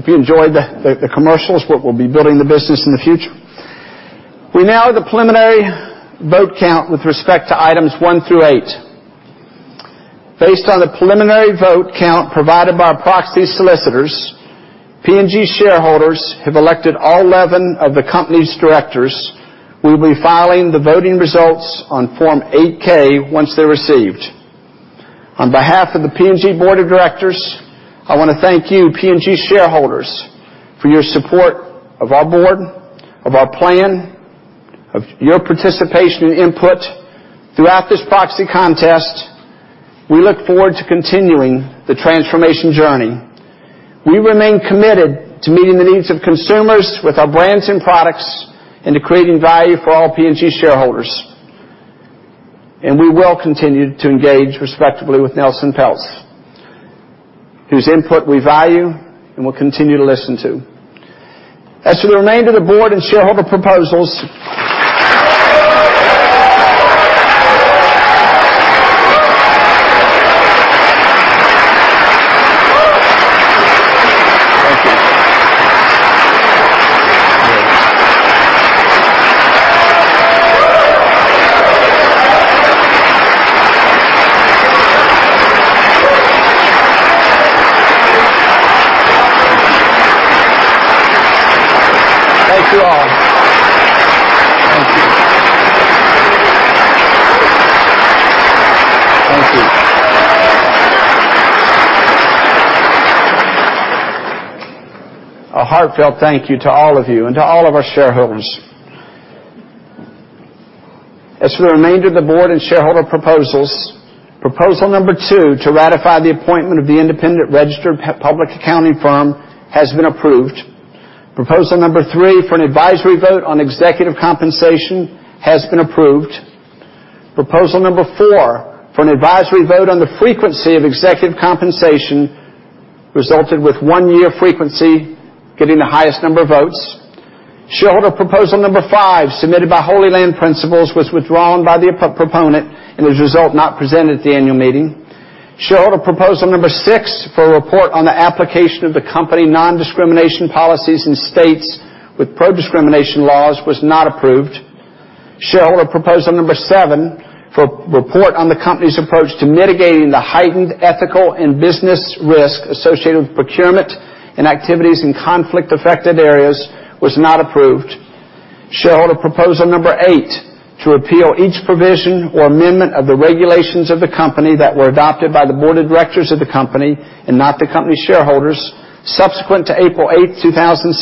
Speaker 16: It hasn't been 30 minutes.
Speaker 2: Yes, it has.
Speaker 7: P&G, proud sponsor of moms. P&G, proud sponsor of moms.
Speaker 16: Good job. Woo. Oh. Oh. Nice job.
Speaker 7: P&G, proud sponsor of moms.
Speaker 2: Hope you enjoyed the commercials, what will be building the business in the future. We now have the preliminary vote count with respect to items one through eight. Based on the preliminary vote count provided by our proxy solicitors, P&G shareholders have elected all 11 of the company's directors. We will be filing the voting results on Form 8-K once they are received. On behalf of the P&G Board of Directors, I want to thank you, P&G shareholders, for your support of our board, of our plan, of your participation and input throughout this proxy contest. We look forward to continuing the transformation journey. We remain committed to meeting the needs of consumers with our brands and products, and to creating value for all P&G shareholders. We will continue to engage respectfully with Nelson Peltz, whose input we value and will continue to listen to. As for the remainder of the board and shareholder proposals Thank you. Thank you all. Thank you. Thank you. A heartfelt thank you to all of you and to all of our shareholders. As for the remainder of the board and shareholder proposals, proposal number 2, to ratify the appointment of the independent registered public accounting firm, has been approved. Proposal number 3, for an advisory vote on executive compensation, has been approved. Proposal number 4, for an advisory vote on the frequency of executive compensation, resulted with one-year frequency getting the highest number of votes. Shareholder proposal number 5, submitted by Holy Land Principles, was withdrawn by the proponent, and as a result, not presented at the annual meeting. Shareholder proposal number 6, for a report on the application of the company nondiscrimination policies in states with pro-discrimination laws, was not approved. Shareholder proposal number 7, for report on the company's approach to mitigating the heightened ethical and business risk associated with procurement and activities in conflict-affected areas, was not approved. Shareholder proposal number 8, to repeal each provision or amendment of the regulations of the company that were adopted by the board of directors of the company and not the company shareholders subsequent to April 8, 2016,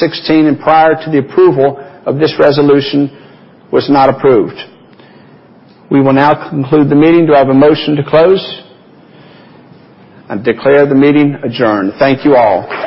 Speaker 2: and prior to the approval of this resolution, was not approved. We will now conclude the meeting. Do I have a motion to close? I declare the meeting adjourned. Thank you all.